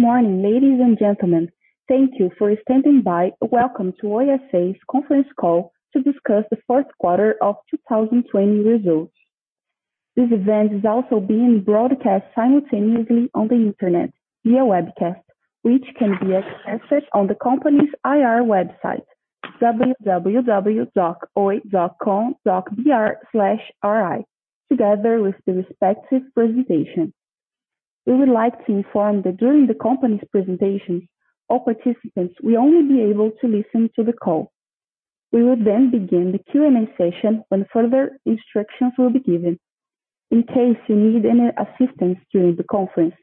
Good morning, ladies and gentlemen. Thank you for standing by. Welcome to Oi S.A.'s conference call to discuss the fourth quarter of 2020 results. This event is also being broadcast simultaneously on the internet via webcast, which can be accessed on the company's IR website, www.oi.com.br/ri, together with the respective presentation. We would like to inform that during the company's presentations, all participants will only be able to listen to the call. We will begin the Q&A session when further instructions will be given. In case you need any assistance during the conference,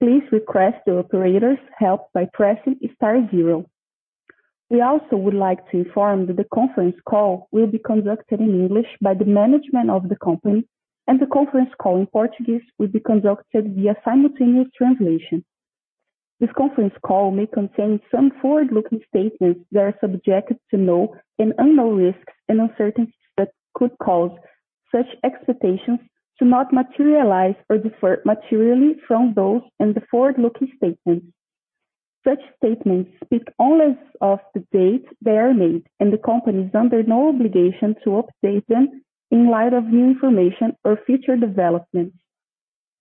please request the operator's help by pressing star zero. We also would like to inform that the conference call will be conducted in English by the management of the company, and the conference call in Portuguese will be conducted via simultaneous translation. This conference call may contain some forward-looking statements that are subjected to known and unknown risks and uncertainties that could cause such expectations to not materialize or differ materially from those in the forward-looking statements. Such statements speak only as of the date they are made, and the company is under no obligation to update them in light of new information or future developments.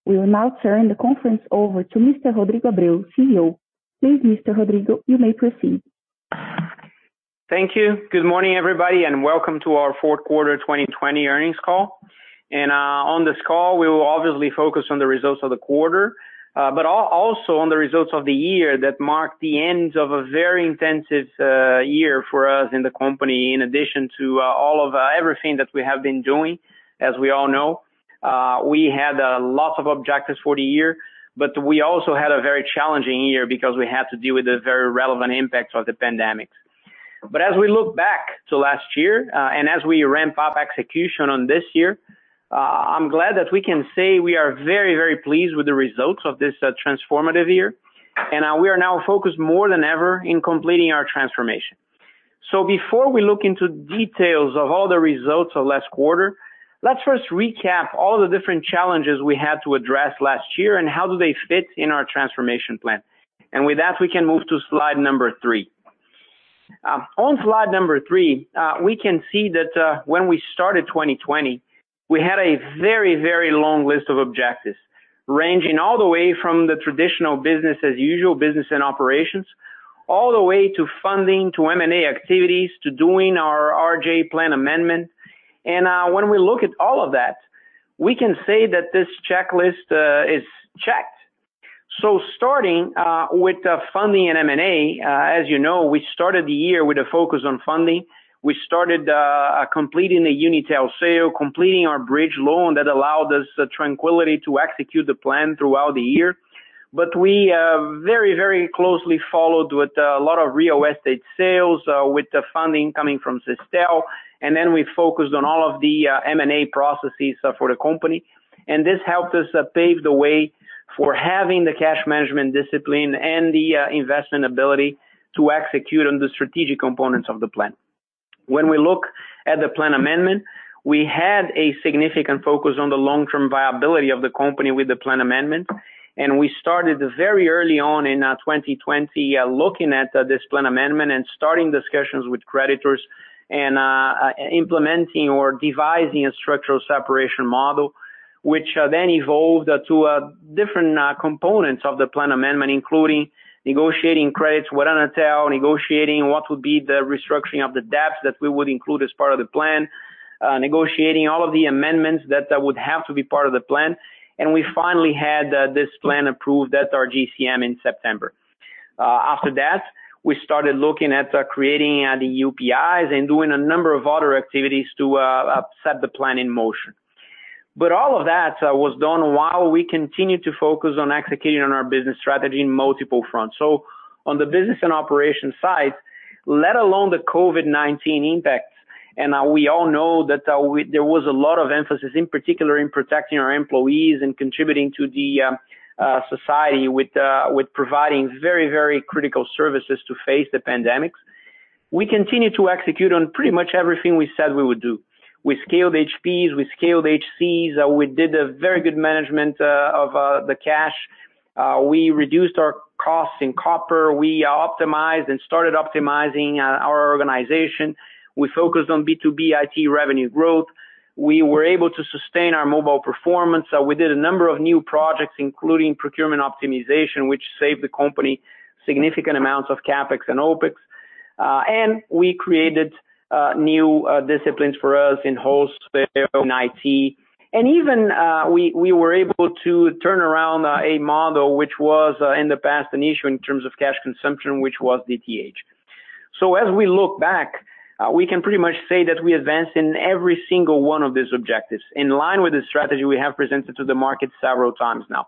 We will now turn the conference over to Mr. Rodrigo Abreu, CEO. Please, Mr. Rodrigo, you may proceed. Thank you. Good morning, everybody, welcome to our fourth quarter 2020 earnings call. On this call, we will obviously focus on the results of the quarter. Also on the results of the year that marked the end of a very intensive year for us in the company, in addition to everything that we have been doing. As we all know, we had lots of objectives for the year. We also had a very challenging year because we had to deal with the very relevant impacts of the pandemic. As we look back to last year, and as we ramp up execution on this year, I am glad that we can say we are very pleased with the results of this transformative year. We are now focused more than ever in completing our transformation. Before we look into details of all the results of last quarter, let's first recap all the different challenges we had to address last year and how do they fit in our transformation plan. With that, we can move to slide number three. On slide number three, we can see that when we started 2020, we had a very, very long list of objectives, ranging all the way from the traditional business as usual business and operations, all the way to funding, to M&A activities, to doing our RJ plan amendment. When we look at all of that, we can say that this checklist is checked. Starting with funding and M&A, as you know, we started the year with a focus on funding. We started completing the Unitel sale, completing our bridge loan that allowed us the tranquility to execute the plan throughout the year. We very, very closely followed with a lot of real estate sales, with the funding coming from Sistel, and then we focused on all of the M&A processes for the company. This helped us pave the way for having the cash management discipline and the investment ability to execute on the strategic components of the plan. When we look at the plan amendment, we had a significant focus on the long-term viability of the company with the plan amendment. We started very early on in 2020 looking at this plan amendment and starting discussions with creditors and implementing or devising a structural separation model, which then evolved to different components of the plan amendment, including negotiating credits with Anatel, negotiating what would be the restructuring of the debts that we would include as part of the plan. Negotiating all of the amendments that would have to be part of the plan. We finally had this plan approved at our GCM in September. After that, we started looking at creating the UPIs and doing a number of other activities to set the plan in motion. All of that was done while we continued to focus on executing on our business strategy in multiple fronts. On the business and operations side, let alone the COVID-19 impacts, and we all know that there was a lot of emphasis, in particular, in protecting our employees and contributing to the society with providing very, very critical services to face the pandemic. We continued to execute on pretty much everything we said we would do. We scaled HPs, we scaled HCs. We did a very good management of the cash. We reduced our costs in copper. We optimized and started optimizing our organization. We focused on B2B IT revenue growth. We were able to sustain our mobile performance. We did a number of new projects, including procurement optimization, which saved the company significant amounts of CapEx and OpEx. We created new disciplines for us in wholesale and IT. Even we were able to turn around a model which was, in the past, an issue in terms of cash consumption, which was DTH. As we look back, we can pretty much say that we advanced in every single one of these objectives, in line with the strategy we have presented to the market several times now.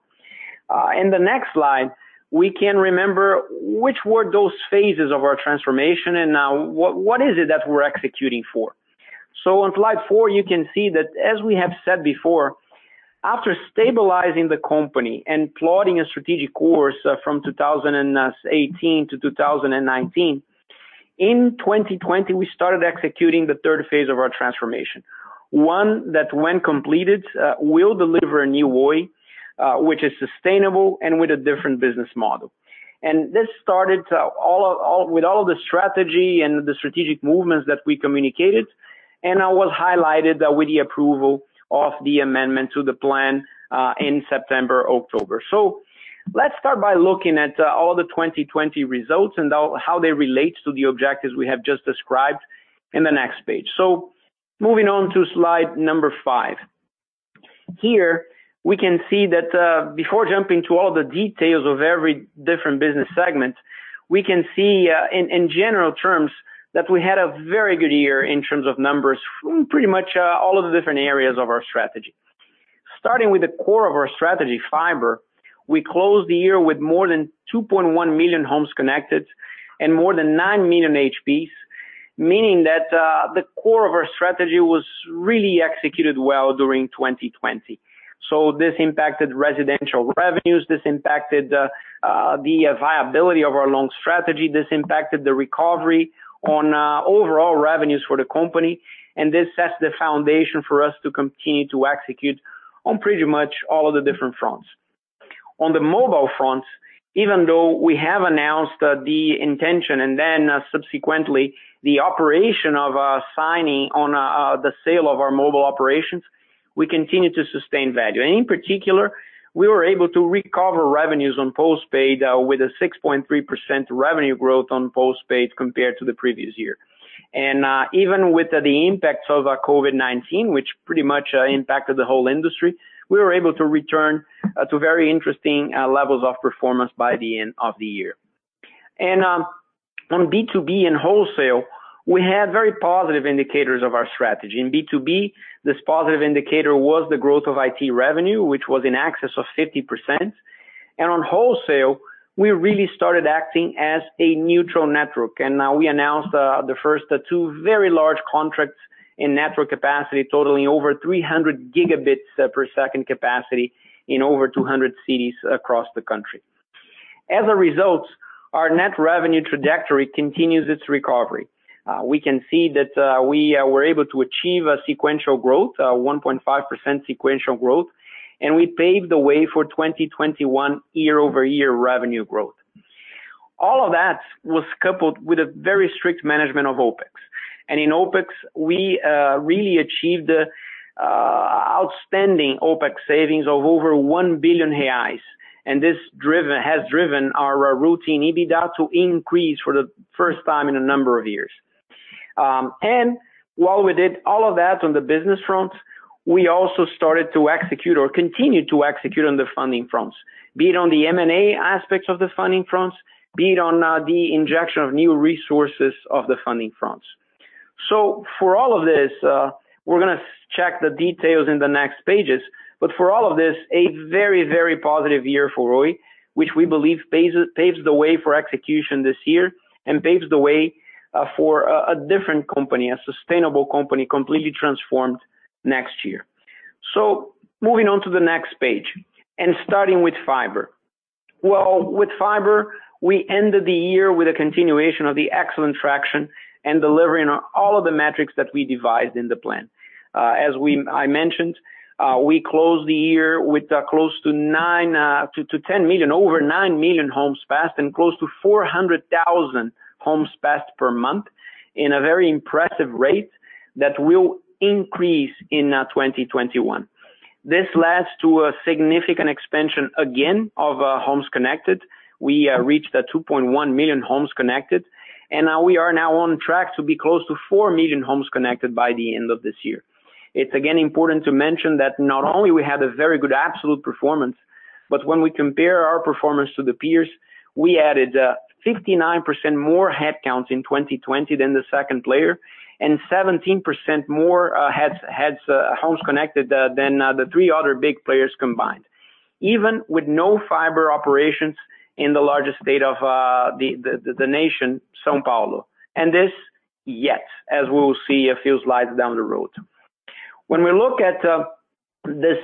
In the next slide, we can remember which were those phases of our transformation and what is it that we're executing for. On slide four, you can see that as we have said before, after stabilizing the company and plotting a strategic course from 2018 to 2019. In 2020, we started executing the third phase of our transformation. One that when completed, will deliver a new Oi, which is sustainable and with a different business model. This started with all of the strategy and the strategic movements that we communicated, and was highlighted with the approval of the amendment to the plan in September and October. Let's start by looking at all the 2020 results and how they relate to the objectives we have just described in the next page. Moving on to slide number five. Here, we can see that before jumping to all the details of every different business segment, we can see in general terms that we had a very good year in terms of numbers from pretty much all of the different areas of our strategy. Starting with the core of our strategy, fiber, we closed the year with more than 2.1 million homes connected and more than 9 million HPs, meaning that the core of our strategy was really executed well during 2020. This impacted residential revenues, this impacted the viability of our long strategy, this impacted the recovery on overall revenues for the company. This sets the foundation for us to continue to execute on pretty much all of the different fronts. On the mobile front, even though we have announced the intention and then subsequently the operation of signing on the sale of our mobile operations, we continue to sustain value. In particular, we were able to recover revenues on postpaid with a 6.3% revenue growth on postpaid compared to the previous year. Even with the impacts of COVID-19, which pretty much impacted the whole industry, we were able to return to very interesting levels of performance by the end of the year. On B2B and wholesale, we had very positive indicators of our strategy. In B2B, this positive indicator was the growth of IT revenue, which was in excess of 50%. On wholesale, we really started acting as a neutral network. We announced the first of two very large contracts in network capacity totaling over 300 gigabits per second capacity in over 200 cities across the country. As a result, our net revenue trajectory continues its recovery. We can see that we were able to achieve a sequential growth, a 1.5% sequential growth, and we paved the way for 2021 year-over-year revenue growth. All of that was coupled with a very strict management of OpEx. In OpEx, we really achieved outstanding OpEx savings of over 1 billion reais, and this has driven our routine EBITDA to increase for the first time in a number of years. While we did all of that on the business front, we also started to execute or continued to execute on the funding fronts. Be it on the M&A aspects of the funding fronts, be it on the injection of new resources of the funding fronts. For all of this, we're going to check the details in the next pages, but for all of this, a very, very positive year for Oi, which we believe paves the way for execution this year and paves the way for a different company, a sustainable company, completely transformed next year. Moving on to the next page and starting with fiber. Well, with fiber, we ended the year with a continuation of the excellent traction and delivering on all of the metrics that we devised in the plan. As I mentioned, we closed the year with close to 10 million, over 9 million homes passed and close to 400,000 homes passed per month in a very impressive rate that will increase in 2021. This leads to a significant expansion again of homes connected. We reached 2.1 million homes connected, we are now on track to be close to 4 million homes connected by the end of this year. It's again important to mention that not only we had a very good absolute performance, but when we compare our performance to the peers, we added 59% more homes connected in 2020 than the second player and 17% more homes connected than the three other big players combined. Even with no fiber operations in the largest state of the nation, São Paulo. This yet, as we will see a few slides down the road, when we look at this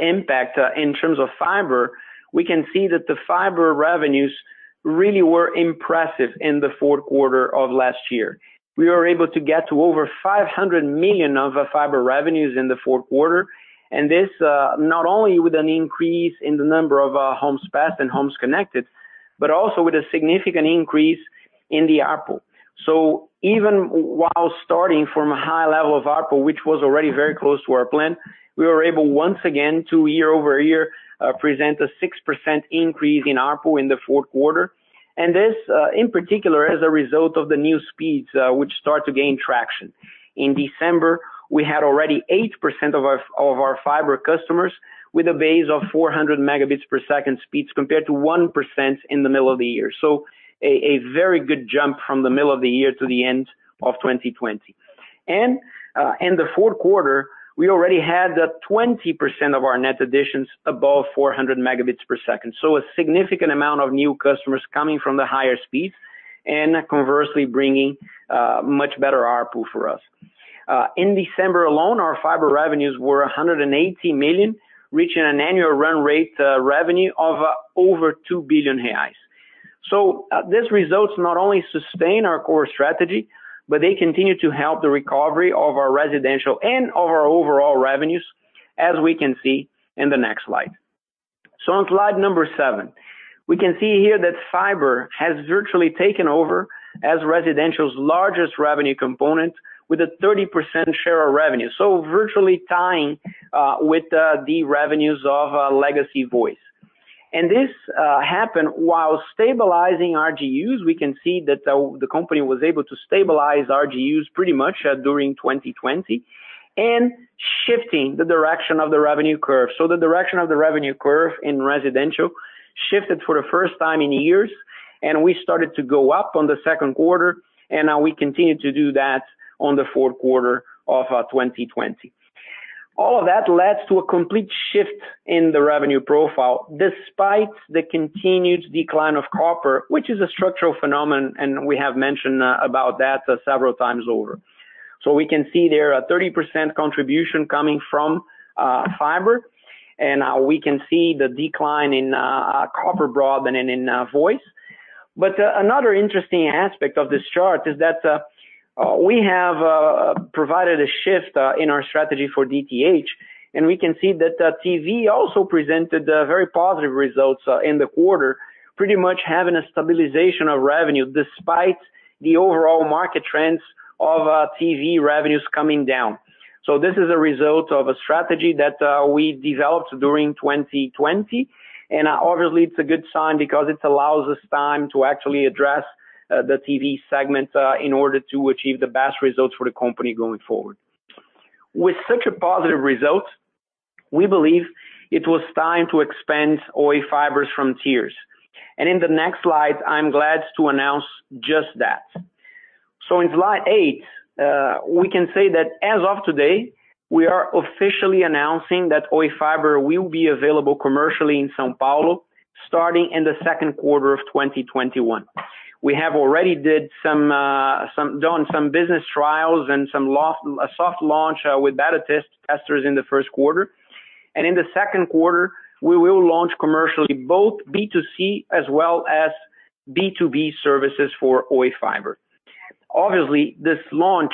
impact in terms of fiber, we can see that the fiber revenues really were impressive in the fourth quarter of last year. We were able to get to over 500 million of fiber revenues in the fourth quarter. This, not only with an increase in the number of homes passed and homes connected, but also with a significant increase in the ARPU. Even while starting from a high level of ARPU, which was already very close to our plan, we were able, once again, to year-over-year, present a 6% increase in ARPU in the fourth quarter. This, in particular, as a result of the new speeds, which start to gain traction. In December, we had already 8% of our fiber customers with a base of 400 megabits per second speeds compared to 1% in the middle of the year. A very good jump from the middle of the year to the end of 2020. In the fourth quarter, we already had 20% of our net additions above 400 megabits per second. A significant amount of new customers coming from the higher speeds and conversely bringing much better ARPU for us. In December alone, our fiber revenues were 180 million, reaching an annual run rate revenue of over 2 billion reais. These results not only sustain our core strategy, but they continue to help the recovery of our residential and of our overall revenues, as we can see in the next slide. On slide number seven, we can see here that fiber has virtually taken over as residential's largest revenue component with a 30% share of revenue. Virtually tying with the revenues of legacy voice. This happened while stabilizing RGUs. We can see that the company was able to stabilize RGUs pretty much during 2020, and shifting the direction of the revenue curve. The direction of the revenue curve in residential shifted for the first time in years, and we started to go up on the second quarter, and now we continue to do that on the fourth quarter of 2020. All of that leads to a complete shift in the revenue profile, despite the continued decline of copper, which is a structural phenomenon, and we have mentioned about that several times over. We can see there a 30% contribution coming from fiber, and we can see the decline in copper broadband and in voice. Another interesting aspect of this chart is that we have provided a shift in our strategy for DTH, and we can see that TV also presented very positive results in the quarter, pretty much having a stabilization of revenue despite the overall market trends of TV revenues coming down. This is a result of a strategy that we developed during 2020, and obviously it's a good sign because it allows us time to actually address the TV segment in order to achieve the best results for the company going forward. With such a positive result, we believe it was time to expand Oi Fibra's frontiers. In the next slide, I'm glad to announce just that. In slide eight, we can say that as of today, we are officially announcing that Oi Fibra will be available commercially in São Paulo, starting in the second quarter of 2021. We have already done some business trials and a soft launch with beta testers in the first quarter. In the second quarter, we will launch commercially both B2C as well as B2B services for Oi Fibra. Obviously, this launch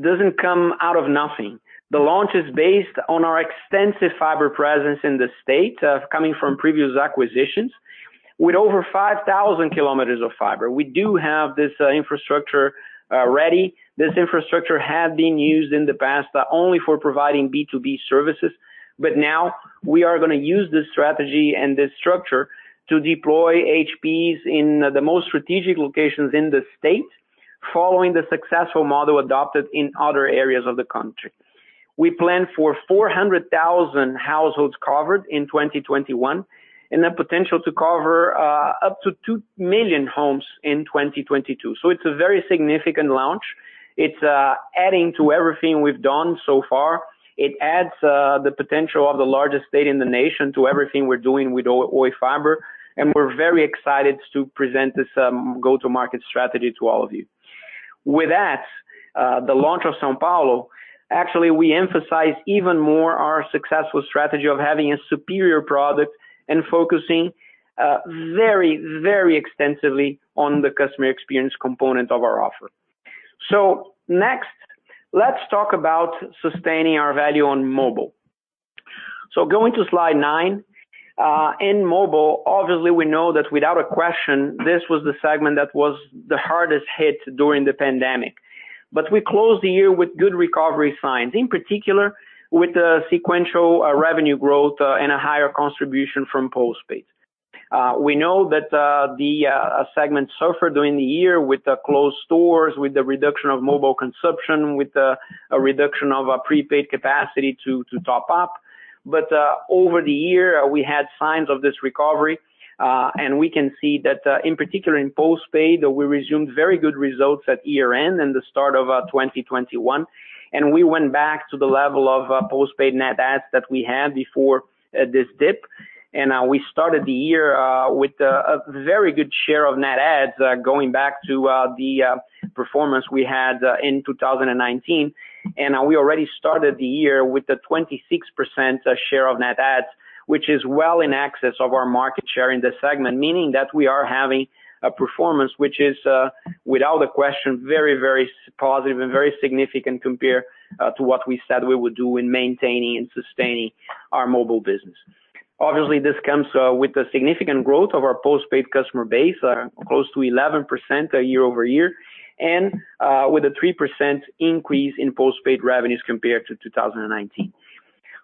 doesn't come out of nothing. The launch is based on our extensive fiber presence in the state, coming from previous acquisitions. With over 5,000 km of fiber, we do have this infrastructure ready. This infrastructure had been used in the past only for providing B2B services, but now we are going to use this strategy and this structure to deploy HPs in the most strategic locations in the state, following the successful model adopted in other areas of the country. We plan for 400,000 households covered in 2021, and the potential to cover up to 2 million homes in 2022. It's a very significant launch. It's adding to everything we've done so far. It adds the potential of the largest state in the nation to everything we're doing with Oi Fibra. We're very excited to present this go-to-market strategy to all of you. With that, the launch of São Paulo, actually, we emphasize even more our successful strategy of having a superior product and focusing very, very extensively on the customer experience component of our offer. Next, let's talk about sustaining our value on mobile. Going to slide nine. In mobile, obviously we know that without a question, this was the segment that was the hardest hit during the pandemic. We closed the year with good recovery signs, in particular with the sequential revenue growth and a higher contribution from postpaid. We know that the segment suffered during the year with the closed stores, with the reduction of mobile consumption, with a reduction of prepaid capacity to top up. Over the year, we had signs of this recovery, and we can see that in particular in postpaid, we resumed very good results at year-end and the start of 2021. We went back to the level of postpaid net adds that we had before this dip. We started the year with a very good share of net adds, going back to the performance we had in 2019. We already started the year with a 26% share of net adds, which is well in excess of our market share in this segment, meaning that we are having a performance which is, without a question, very, very positive and very significant compared to what we said we would do in maintaining and sustaining our mobile business. Obviously, this comes with a significant growth of our postpaid customer base, close to 11% year-over-year, and with a 3% increase in postpaid revenues compared to 2019.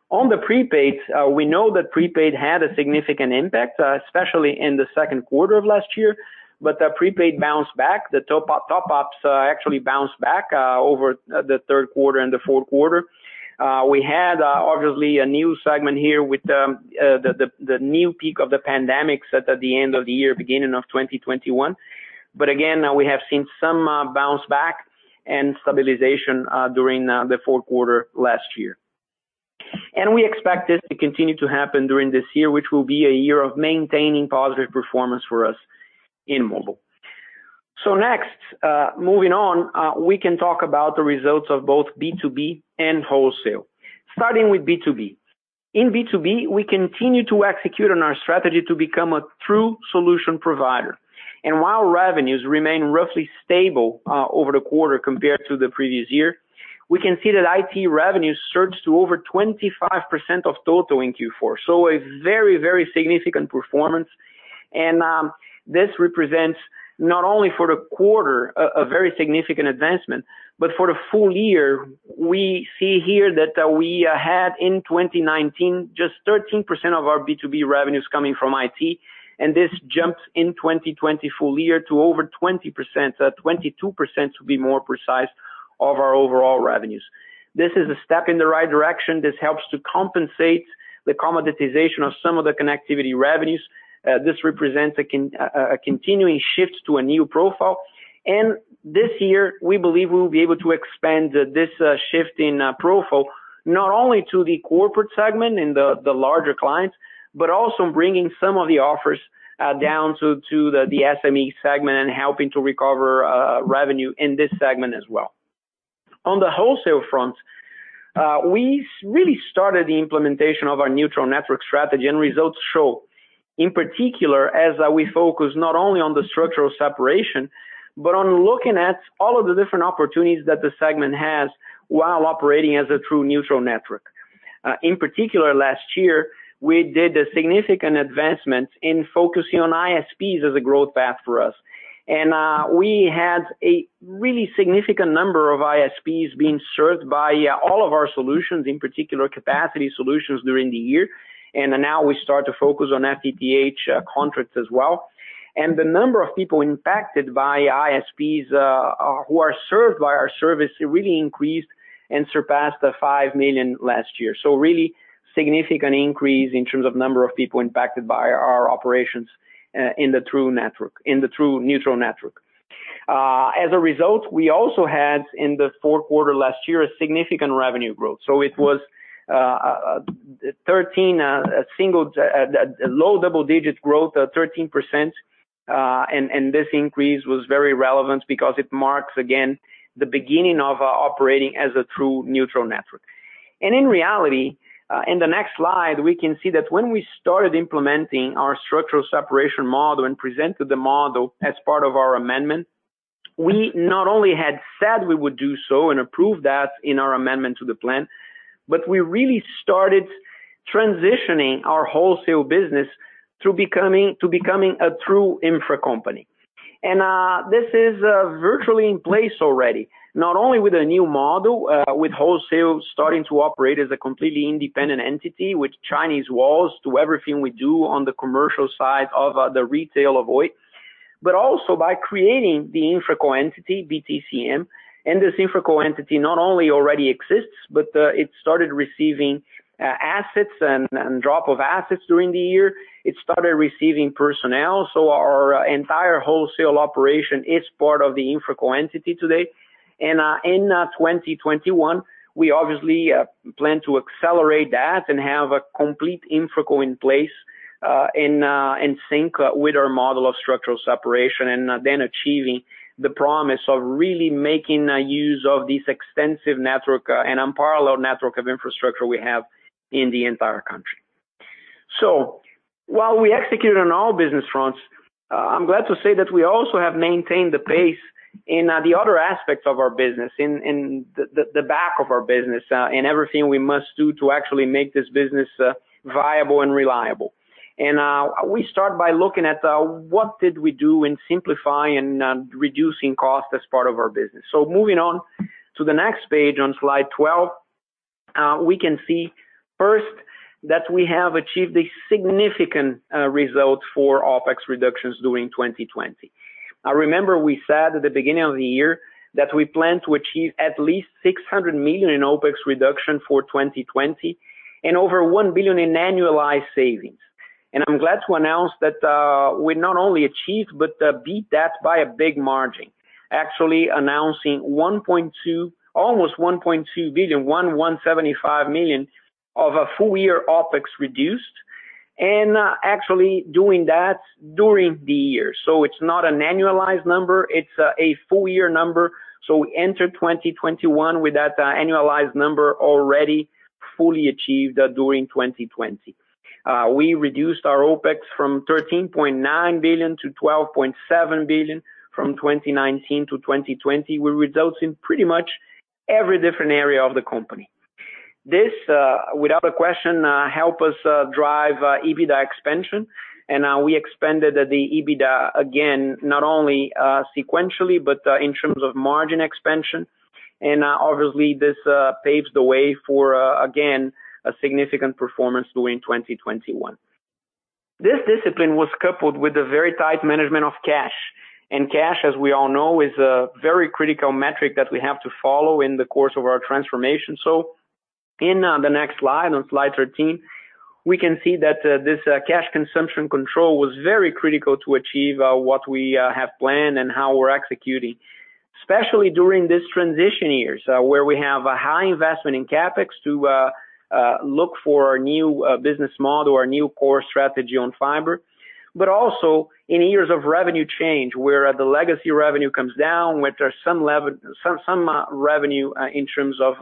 On the prepaid, we know that prepaid had a significant impact, especially in the second quarter of last year, but the prepaid bounced back. The top-ups actually bounced back over the third quarter and the fourth quarter. We had, obviously, a new segment here with the new peak of the pandemic set at the end of the year, beginning of 2021. Again, we have seen some bounce back and stabilization during the fourth quarter last year. We expect this to continue to happen during this year, which will be a year of maintaining positive performance for us in mobile. Next, moving on, we can talk about the results of both B2B and wholesale. Starting with B2B. In B2B, we continue to execute on our strategy to become a true solution provider. While revenues remain roughly stable over the quarter compared to the previous year, we can see that IT revenues surged to over 25% of total in Q4. A very significant performance. This represents not only for the quarter a very significant advancement, but for the full year. We see here that we had in 2019 just 13% of our B2B revenues coming from IT, this jumps in 2020 full year to over 20%, 22% to be more precise, of our overall revenues. This is a step in the right direction. This helps to compensate the commoditization of some of the connectivity revenues. This represents a continuing shift to a new profile. This year, we believe we will be able to expand this shift in profile, not only to the corporate segment and the larger clients, but also bringing some of the offers down to the SME segment and helping to recover revenue in this segment as well. On the wholesale front, we really started the implementation of our neutral network strategy, results show. In particular, as we focus not only on the structural separation, but on looking at all of the different opportunities that the segment has while operating as a true neutral network. In particular last year, we did a significant advancement in focusing on ISPs as a growth path for us. We had a really significant number of ISPs being served by all of our solutions, in particular capacity solutions during the year. Now we start to focus on FTTH contracts as well. The number of people impacted by ISPs, who are served by our service really increased and surpassed the 5 million last year. Really significant increase in terms of number of people impacted by our operations in the true neutral network. As a result, we also had in the fourth quarter last year a significant revenue growth. It was a low double-digit growth of 13%. This increase was very relevant because it marks, again, the beginning of operating as a true neutral network. In reality, in the next slide, we can see that when we started implementing our structural separation model and presented the model as part of our amendment, we not only had said we would do so and approved that in our amendment to the plan, but we really started transitioning our wholesale business to becoming a true infra company. This is virtually in place already, not only with a new model, with wholesale starting to operate as a completely independent entity with Chinese walls to everything we do on the commercial side of the retail of Oi, but also by creating the InfraCo entity, BTCM. This InfraCo entity not only already exists, but it started receiving assets and drop of assets during the year. It started receiving personnel, so our entire wholesale operation is part of the InfraCo entity today. In 2021, we obviously plan to accelerate that and have a complete InfraCo in place in sync with our model of structural separation. Achieving the promise of really making use of this extensive network and unparalleled network of infrastructure we have in the entire country. While we executed on all business fronts, I'm glad to say that we also have maintained the pace in the other aspects of our business, in the back of our business, and everything we must do to actually make this business viable and reliable. We start by looking at what did we do in simplifying and reducing costs as part of our business. Moving on to the next page on slide 12, we can see first that we have achieved a significant result for OpEx reductions during 2020. Remember we said at the beginning of the year that we plan to achieve at least 600 million in OpEx reduction for 2020 and over 1 billion in annualized savings. I'm glad to announce that we not only achieved but beat that by a big margin. Actually announcing almost 1.2 billion, 1.175 billion of a full-year OpEx reduced. Actually doing that during the year. It's not an annualized number, it's a full-year number. We enter 2021 with that annualized number already fully achieved during 2020. We reduced our OpEx from 13.9 billion to 12.7 billion from 2019 to 2020, with results in pretty much every different area of the company. This, without a question, help us drive EBITDA expansion. We expanded the EBITDA, again, not only sequentially, but in terms of margin expansion. Obviously this paves the way for, again, a significant performance during 2021. This discipline was coupled with a very tight management of cash. Cash, as we all know, is a very critical metric that we have to follow in the course of our transformation. In the next slide, on slide 13. We can see that this cash consumption control was very critical to achieve what we have planned and how we're executing. Especially during these transition years, where we have a high investment in CapEx to look for a new business model or new core strategy on fiber. Also in years of revenue change, where the legacy revenue comes down, where some revenue in terms of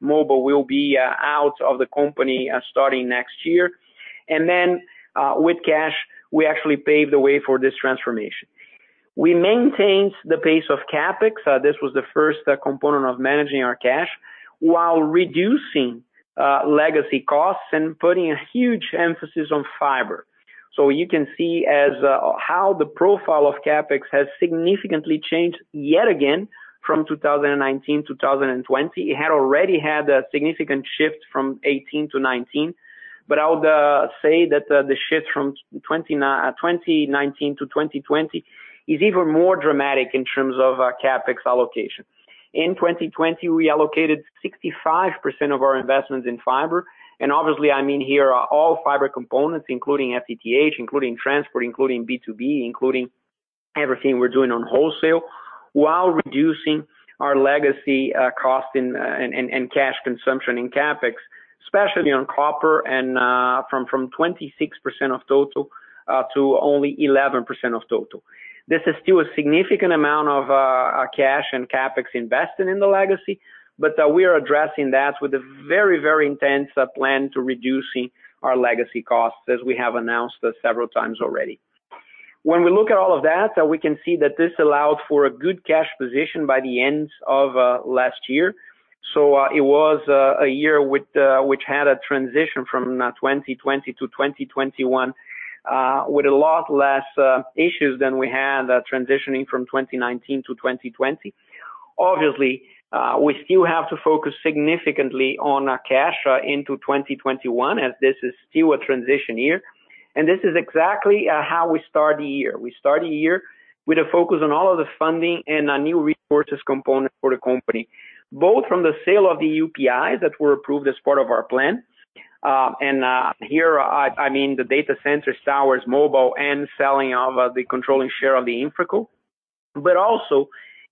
mobile will be out of the company starting next year. Then, with cash, we actually paved the way for this transformation. We maintained the pace of CapEx, this was the first component of managing our cash, while reducing legacy costs and putting a huge emphasis on fiber. You can see how the profile of CapEx has significantly changed yet again from 2019, 2020. It had already had a significant shift from 2018 to 2019, but I would say that the shift from 2019 to 2020 is even more dramatic in terms of CapEx allocation. In 2020, we allocated 65% of our investments in fiber. Obviously, I mean here are all fiber components, including FTTH, including transport, including B2B, including everything we're doing on wholesale, while reducing our legacy cost and cash consumption in CapEx, especially on copper and from 26% of total to only 11% of total. This is still a significant amount of cash and CapEx invested in the legacy. We are addressing that with a very intense plan to reducing our legacy costs, as we have announced several times already. When we look at all of that, we can see that this allowed for a good cash position by the end of last year. It was a year which had a transition from 2020 to 2021, with a lot less issues than we had transitioning from 2019 to 2020. Obviously, we still have to focus significantly on our cash into 2021, as this is still a transition year. This is exactly how we start the year. We start the year with a focus on all of the funding and new resources component for the company, both from the sale of the UPI that were approved as part of our plan. Here, I mean the data center, towers, mobile, and selling of the controlling share of the InfraCo. Also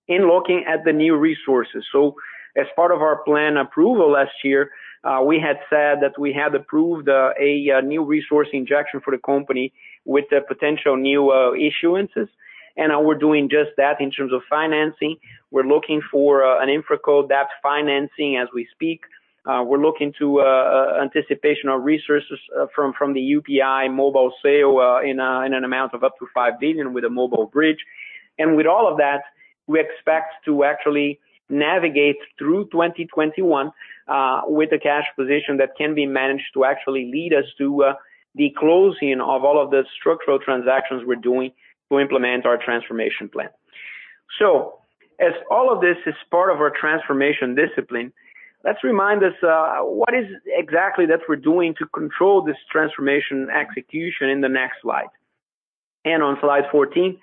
in looking at the new resources. As part of our plan approval last year, we had said that we had approved a new resource injection for the company with the potential new issuances, and we're doing just that in terms of financing. We're looking for an InfraCo debt financing as we speak. We're looking to anticipation of resources from the UPI mobile sale in an amount of up to 5 billion with a mobile bridge. With all of that, we expect to actually navigate through 2021, with a cash position that can be managed to actually lead us to the closing of all of the structural transactions we're doing to implement our transformation plan. As all of this is part of our transformation discipline, let's remind us what is exactly that we're doing to control this transformation execution in the next slide. On slide 14,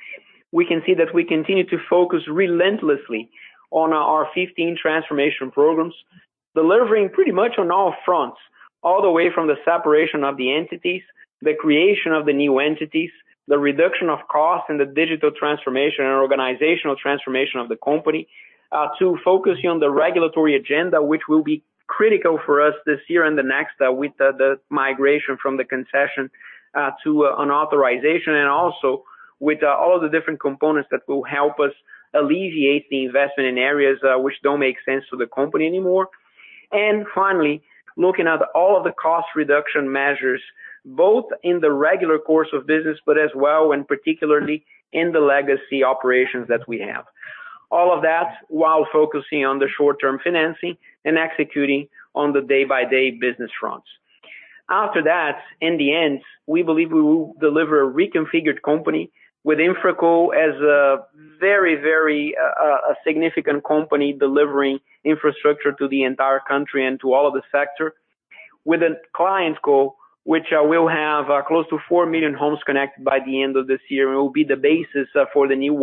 we can see that we continue to focus relentlessly on our 15 transformation programs, delivering pretty much on all fronts, all the way from the separation of the entities, the creation of the new entities, the reduction of costs and the digital transformation and organizational transformation of the company. Focusing on the regulatory agenda, which will be critical for us this year and the next with the migration from the concession to an authorization, and also with all of the different components that will help us alleviate the investment in areas which don't make sense to the company anymore. Finally, looking at all of the cost reduction measures, both in the regular course of business, but as well and particularly in the legacy operations that we have. All of that while focusing on the short-term financing and executing on the day-by-day business fronts. After that, in the end, we believe we will deliver a reconfigured company with InfraCo as a very, very significant company delivering infrastructure to the entire country and to all of the sector. With a ClientCo, which will have close to 4 million homes connected by the end of this year, and will be the basis for the new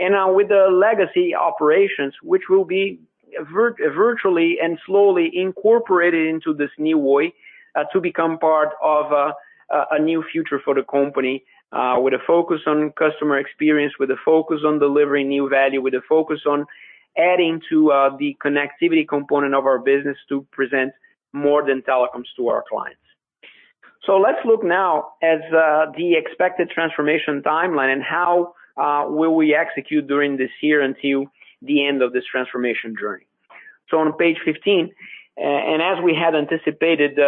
Oi. With the legacy operations, which will be virtually and slowly incorporated into this new Oi, to become part of a new future for the company. With a focus on customer experience, with a focus on delivering new value, with a focus on adding to the connectivity component of our business to present more than telecoms to our clients. Let's look now at the expected transformation timeline, and how will we execute during this year until the end of this transformation journey. On page 15, as we had anticipated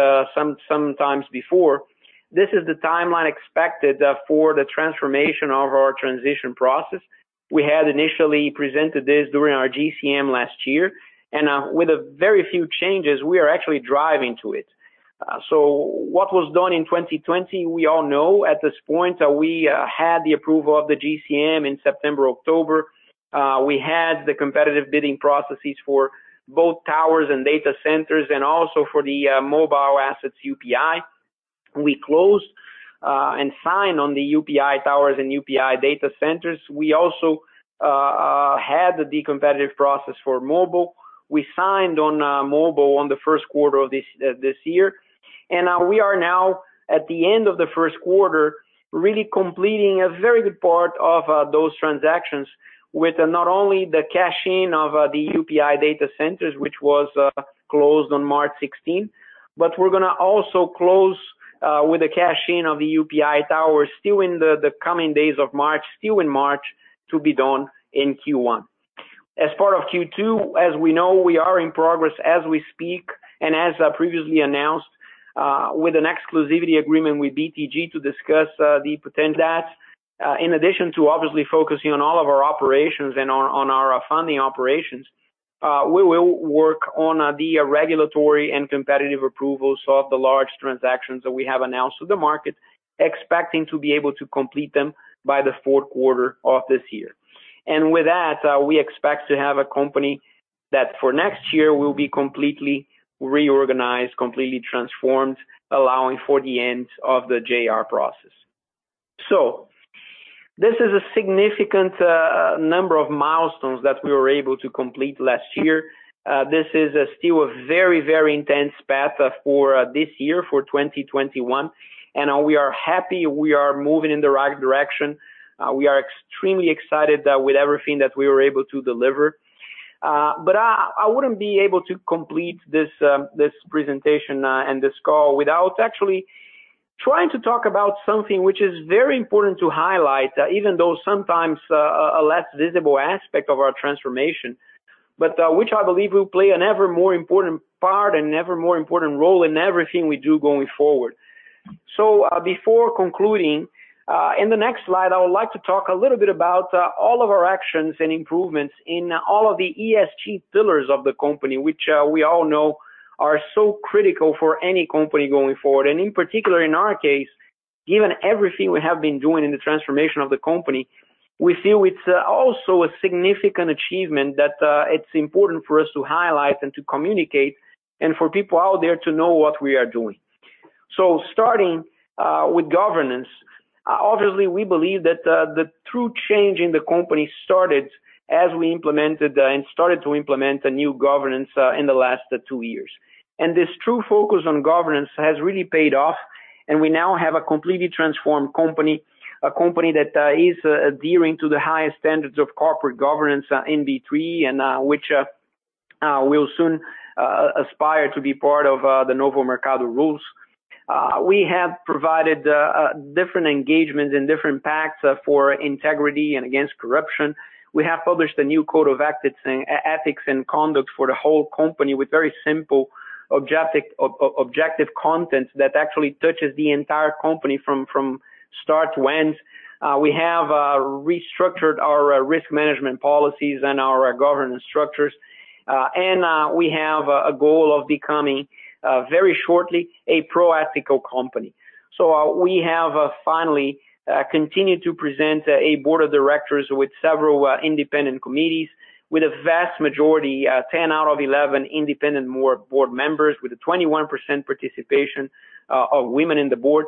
sometimes before, this is the timeline expected for the transformation of our transition process. We had initially presented this during our GCM last year. With a very few changes, we are actually driving to it. What was done in 2020, we all know at this point. We had the approval of the GCM in September, October. We had the competitive bidding processes for both towers and data centers, and also for the mobile assets UPI. We closed and signed on the UPI towers and UPI data centers. We also had the competitive process for mobile. We signed on mobile on the first quarter of this year. We are now at the end of the first quarter, really completing a very good part of those transactions, with not only the cash-in of the UPI data centers, which was closed on March 16, but we're going to also close with the cash-in of the UPI towers still in the coming days of March, still in March, to be done in Q1. As part of Q2, as we know, we are in progress as we speak, and as previously announced, with an exclusivity agreement with BTG to discuss the potential assets. In addition to obviously focusing on all of our operations and on our funding operations, we will work on the regulatory and competitive approvals of the large transactions that we have announced to the market, expecting to be able to complete them by the fourth quarter of this year. With that, we expect to have a company that for next year will be completely reorganized, completely transformed, allowing for the end of the JR process. This is a significant number of milestones that we were able to complete last year. This is still a very, very intense path for this year, for 2021. We are happy we are moving in the right direction. We are extremely excited with everything that we were able to deliver. I wouldn't be able to complete this presentation and this call without actually trying to talk about something which is very important to highlight, even though sometimes a less visible aspect of our transformation, but which I believe will play an ever more important part and ever more important role in everything we do going forward. Before concluding, in the next slide, I would like to talk a little bit about all of our actions and improvements in all of the ESG pillars of the company, which we all know are so critical for any company going forward. In particular, in our case, given everything we have been doing in the transformation of the company, we feel it's also a significant achievement that it's important for us to highlight and to communicate, and for people out there to know what we are doing. Starting with governance, obviously, we believe that the true change in the company started as we implemented and started to implement a new governance in the last two years. This true focus on governance has really paid off, and we now have a completely transformed company, a company that is adhering to the highest standards of corporate governance in B3, and which will soon aspire to be part of the Novo Mercado rules. We have provided different engagements and different pacts for integrity and against corruption. We have published a new code of ethics and conduct for the whole company with very simple, objective content that actually touches the entire company from start to end. We have restructured our risk management policies and our governance structures. We have a goal of becoming, very shortly, a Pró-Ética company. We have finally continued to present a board of directors with several independent committees, with a vast majority, 10 out of 11 independent board members, with a 21% participation of women in the board.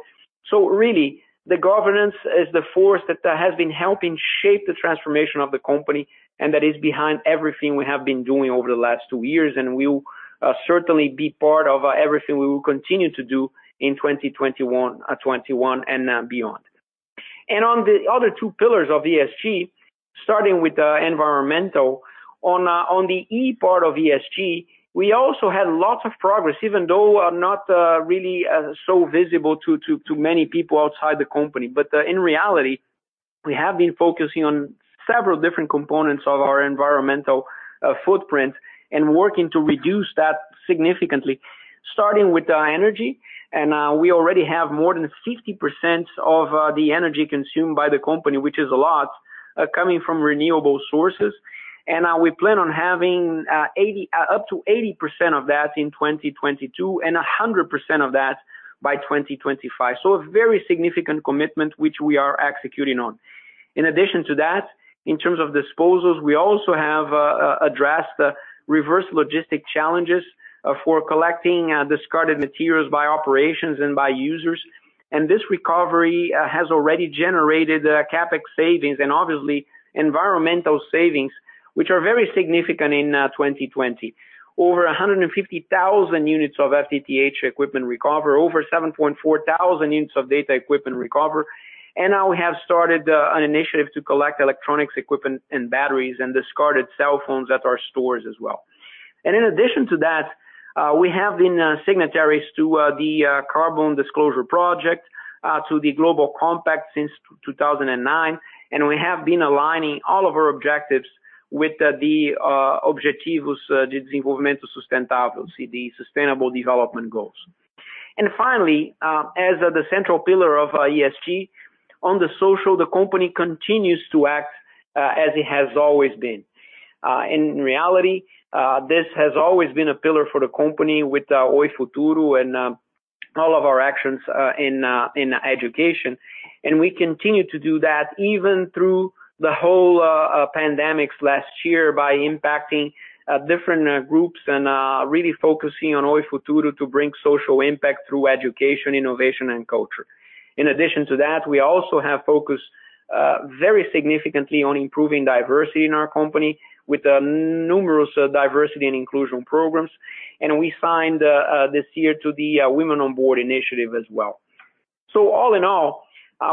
Really, the governance is the force that has been helping shape the transformation of the company, and that is behind everything we have been doing over the last two years, and will certainly be part of everything we will continue to do in 2021 and beyond. On the other two pillars of ESG, starting with the environmental, on the E part of ESG, we also had lots of progress, even though not really so visible to many people outside the company. In reality, we have been focusing on several different components of our environmental footprint and working to reduce that significantly. Starting with energy, and we already have more than 50% of the energy consumed by the company, which is a lot, coming from renewable sources. We plan on having up to 80% of that in 2022 and 100% of that by 2025. A very significant commitment, which we are executing on. In addition to that, in terms of disposals, we also have addressed the reverse logistic challenges for collecting discarded materials by operations and by users. This recovery has already generated CapEx savings and obviously environmental savings, which are very significant in 2020. Over 150,000 units of set-top equipment recovered, over 7.4 thousand units of data equipment recovered. Now we have started an initiative to collect electronics equipment and batteries and discarded cell phones at our stores as well. In addition to that, we have been signatories to the Carbon Disclosure Project, to the Global Compact since 2009, and we have been aligning all of our objectives with the Objetivos de Desenvolvimento Sustentável, the sustainable development goals. Finally, as the central pillar of ESG, on the social, the company continues to act as it has always been. In reality, this has always been a pillar for the company with Oi Futuro and all of our actions in education. We continue to do that even through the whole pandemic last year by impacting different groups and really focusing on Oi Futuro to bring social impact through education, innovation, and culture. In addition to that, we also have focused very significantly on improving diversity in our company with numerous diversity and inclusion programs. We signed this year to the Women on Board initiative as well. All in all,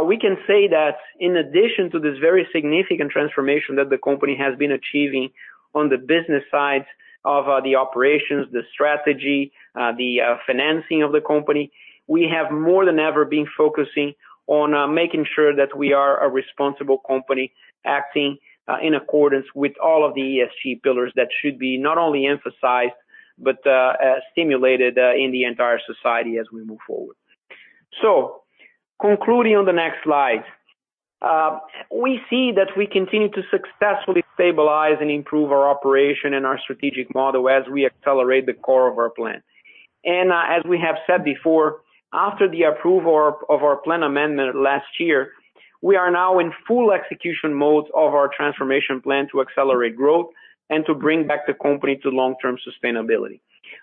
we can say that in addition to this very significant transformation that the company has been achieving on the business side of the operations, the strategy, the financing of the company, we have more than ever been focusing on making sure that we are a responsible company acting in accordance with all of the ESG pillars that should be not only emphasized but stimulated in the entire society as we move forward. Concluding on the next slide. We see that we continue to successfully stabilize and improve our operation and our strategic model as we accelerate the core of our plan. As we have said before, after the approval of our plan amendment last year, we are now in full execution mode of our transformation plan to accelerate growth and to bring back the company to long-term sustainability.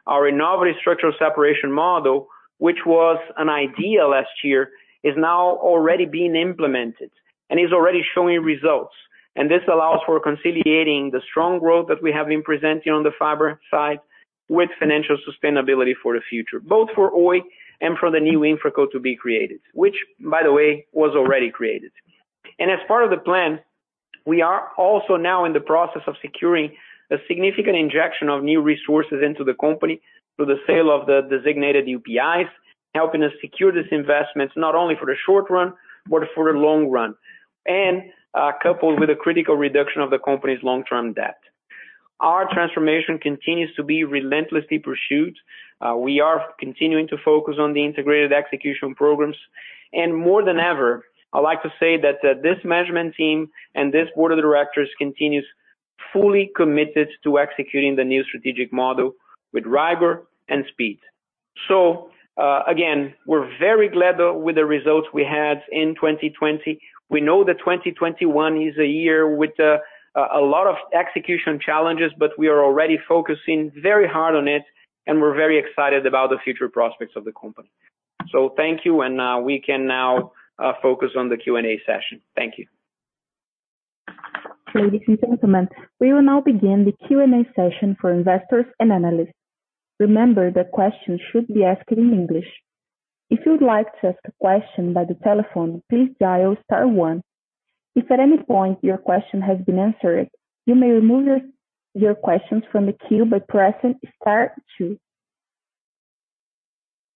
Our innovative structural separation model, which was an idea last year, is now already being implemented and is already showing results. This allows for conciliating the strong growth that we have been presenting on the fiber side with financial sustainability for the future, both for Oi and for the new InfraCo to be created. Which, by the way, was already created. As part of the plan, we are also now in the process of securing a significant injection of new resources into the company through the sale of the designated UPIs, helping us secure these investments not only for the short run, but for the long run, and coupled with a critical reduction of the company's long-term debt. Our transformation continues to be relentlessly pursued. We are continuing to focus on the integrated execution programs. More than ever, I'd like to say that this management team and this board of directors continues fully committed to executing the new strategic model with rigor and speed. Again, we're very glad with the results we had in 2020. We know that 2021 is a year with a lot of execution challenges, but we are already focusing very hard on it, and we're very excited about the future prospects of the company. Thank you, and we can now focus on the Q&A session. Thank you. Ladies and gentlemen, we will now begin the Q&A session for investors and analysts. Remember that questions should be asked in English. If you would like to ask a question by the telephone, please dial star one. If at any point your question has been answered, you may remove your questions from the queue by pressing star two.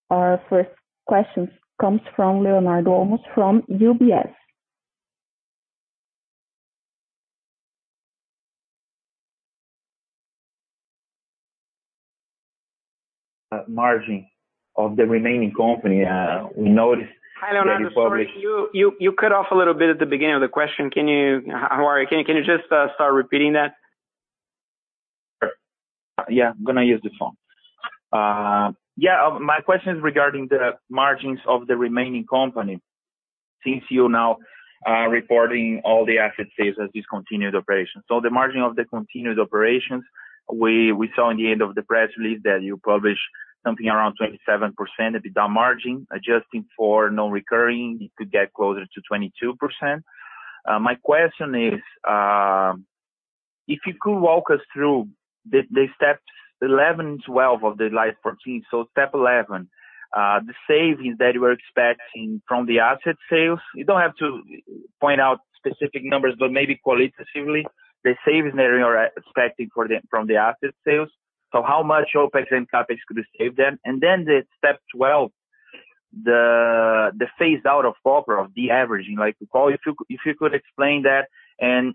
Our first question comes from Leonardo Olmos from UBS. Margin of the remaining company. We noticed that the public- Hi, Leonardo. Sorry, you cut off a little bit at the beginning of the question. Can you just start repeating that? Sure. Yeah, I'm gonna use the phone. Yeah, my question is regarding the margins of the remaining company, since you're now reporting all the asset sales as discontinued operations. The margin of the continuous operations, we saw in the end of the press release that you publish something around 27% EBITDA margin. Adjusting for non-recurring, it could get closer to 22%. My question is, if you could walk us through the steps 11, 12 of the Slide 14. Step 11, the savings that you are expecting from the asset sales. You don't have to point out specific numbers, but maybe qualitatively, the savings that you are expecting from the asset sales. How much OpEx and CapEx could you save them? The step 12, the phase out of copper of de-averaging, like you call. If you could explain that and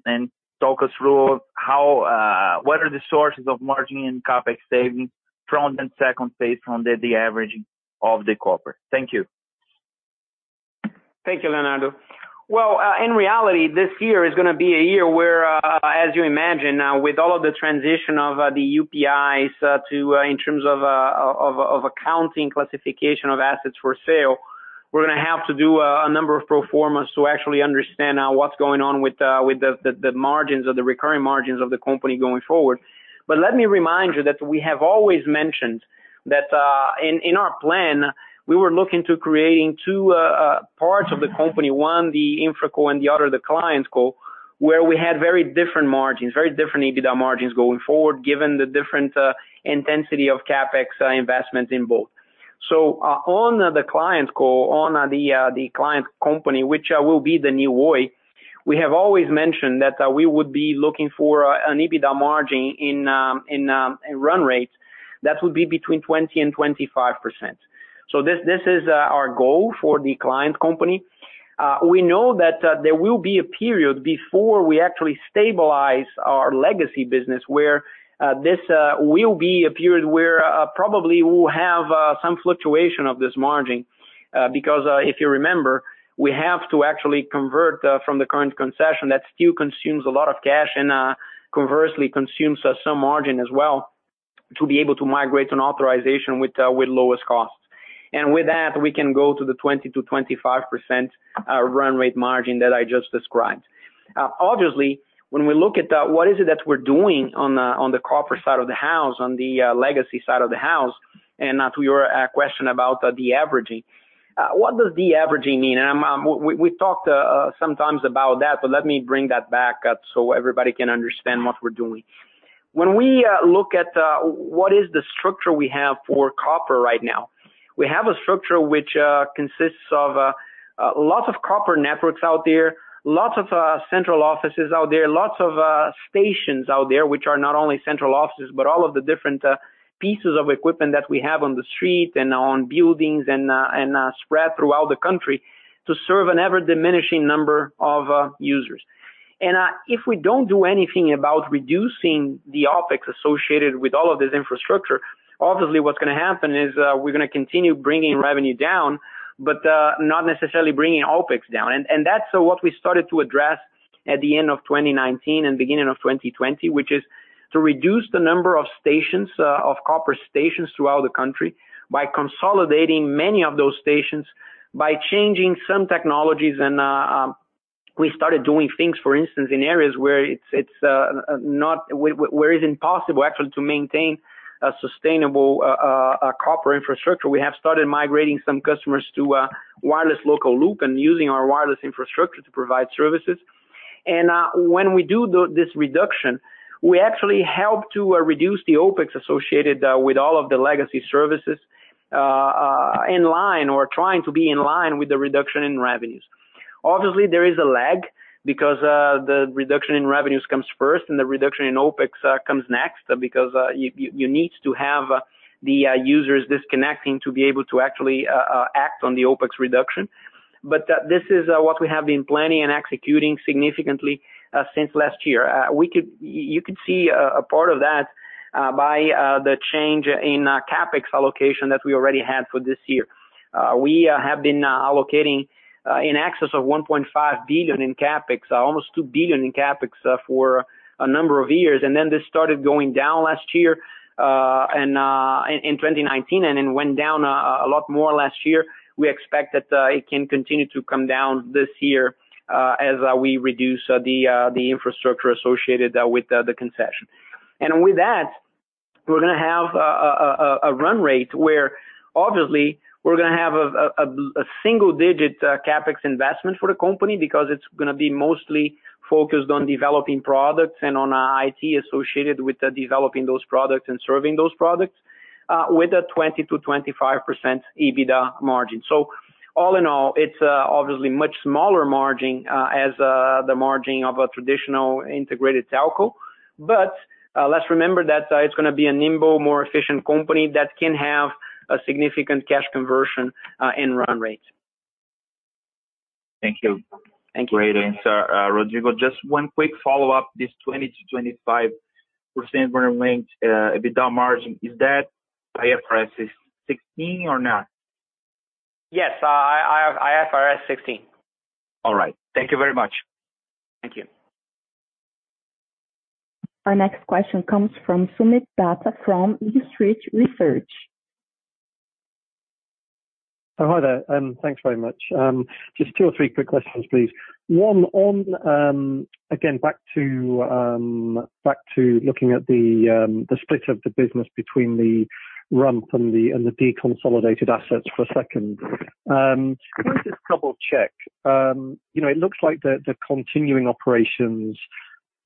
talk us through what are the sources of margin and CapEx savings from the second phase from the de-averaging of the copper. Thank you. Thank you, Leonardo. In reality, this year is gonna be a year where, as you imagine now, with all of the transition of the UPIs in terms of accounting classification of assets for sale, we're gonna have to do a number of pro formas to actually understand now what's going on with the margins or the recurring margins of the company going forward. Let me remind you that we have always mentioned that in our plan, we were looking to creating two parts of the company. One, the InfraCo and the other, the ClientCo, where we had very different margins, very different EBITDA margins going forward, given the different intensity of CapEx investments in both. On the ClientCo, on the client company, which will be the new Oi, we have always mentioned that we would be looking for an EBITDA margin in run rates that would be between 20% and 25%. This is our goal for the client company. We know that there will be a period before we actually stabilize our legacy business where this will be a period where probably we'll have some fluctuation of this margin. Because if you remember, we have to actually convert from the current concession that still consumes a lot of cash and conversely consumes some margin as well. To be able to migrate an authorization with lowest cost. With that, we can go to the 20%-25% run rate margin that I just described. Obviously, when we look at that, what is it that we're doing on the copper side of the house, on the legacy side of the house? To your question about de-averaging. What does de-averaging mean? We talked sometimes about that, but let me bring that back up so everybody can understand what we're doing. When we look at what is the structure we have for copper right now, we have a structure which consists of lots of copper networks out there, lots of central offices out there, lots of stations out there, which are not only central offices, but all of the different pieces of equipment that we have on the street and on buildings and spread throughout the country to serve an ever-diminishing number of users. If we don't do anything about reducing the OpEx associated with all of this infrastructure, obviously what's going to happen is we're going to continue bringing revenue down, but not necessarily bringing OpEx down. That's what we started to address at the end of 2019 and beginning of 2020, which is to reduce the number of copper stations throughout the country by consolidating many of those stations, by changing some technologies. We started doing things, for instance, in areas where it's impossible actually to maintain a sustainable copper infrastructure. We have started migrating some customers to wireless local loop and using our wireless infrastructure to provide services. When we do this reduction, we actually help to reduce the OpEx associated with all of the legacy services in line or trying to be in line with the reduction in revenues. Obviously, there is a lag because the reduction in revenues comes first, and the reduction in OpEx comes next because you need to have the users disconnecting to be able to actually act on the OpEx reduction. This is what we have been planning and executing significantly since last year. You could see a part of that by the change in CapEx allocation that we already had for this year. We have been allocating in excess of 1.5 billion in CapEx, almost 2 billion in CapEx for a number of years. This started going down last year in 2019, and then went down a lot more last year. We expect that it can continue to come down this year as we reduce the infrastructure associated with the concession. With that, we're going to have a run rate where obviously we're going to have a single-digit CapEx investment for the company because it's going to be mostly focused on developing products and on IT associated with developing those products and serving those products with a 20%-25% EBITDA margin. All in all, it's obviously much smaller margin as the margin of a traditional integrated telco. Let's remember that it's going to be a nimble, more efficient company that can have a significant cash conversion in run rate. Thank you. Thank you. Great answer, Rodrigo. Just one quick follow-up. This 20%-25% run rate EBITDA margin, is that IFRS 16 or not? Yes, IFRS 16. All right. Thank you very much. Thank you. Our next question comes from Soomit Datta from ISTREET Research. Hi there. Thanks very much. Just two or three quick questions, please. One on, again, back to looking at the split of the business between the rump and the deconsolidated assets for a second. Can I just double-check? It looks like the continuing operations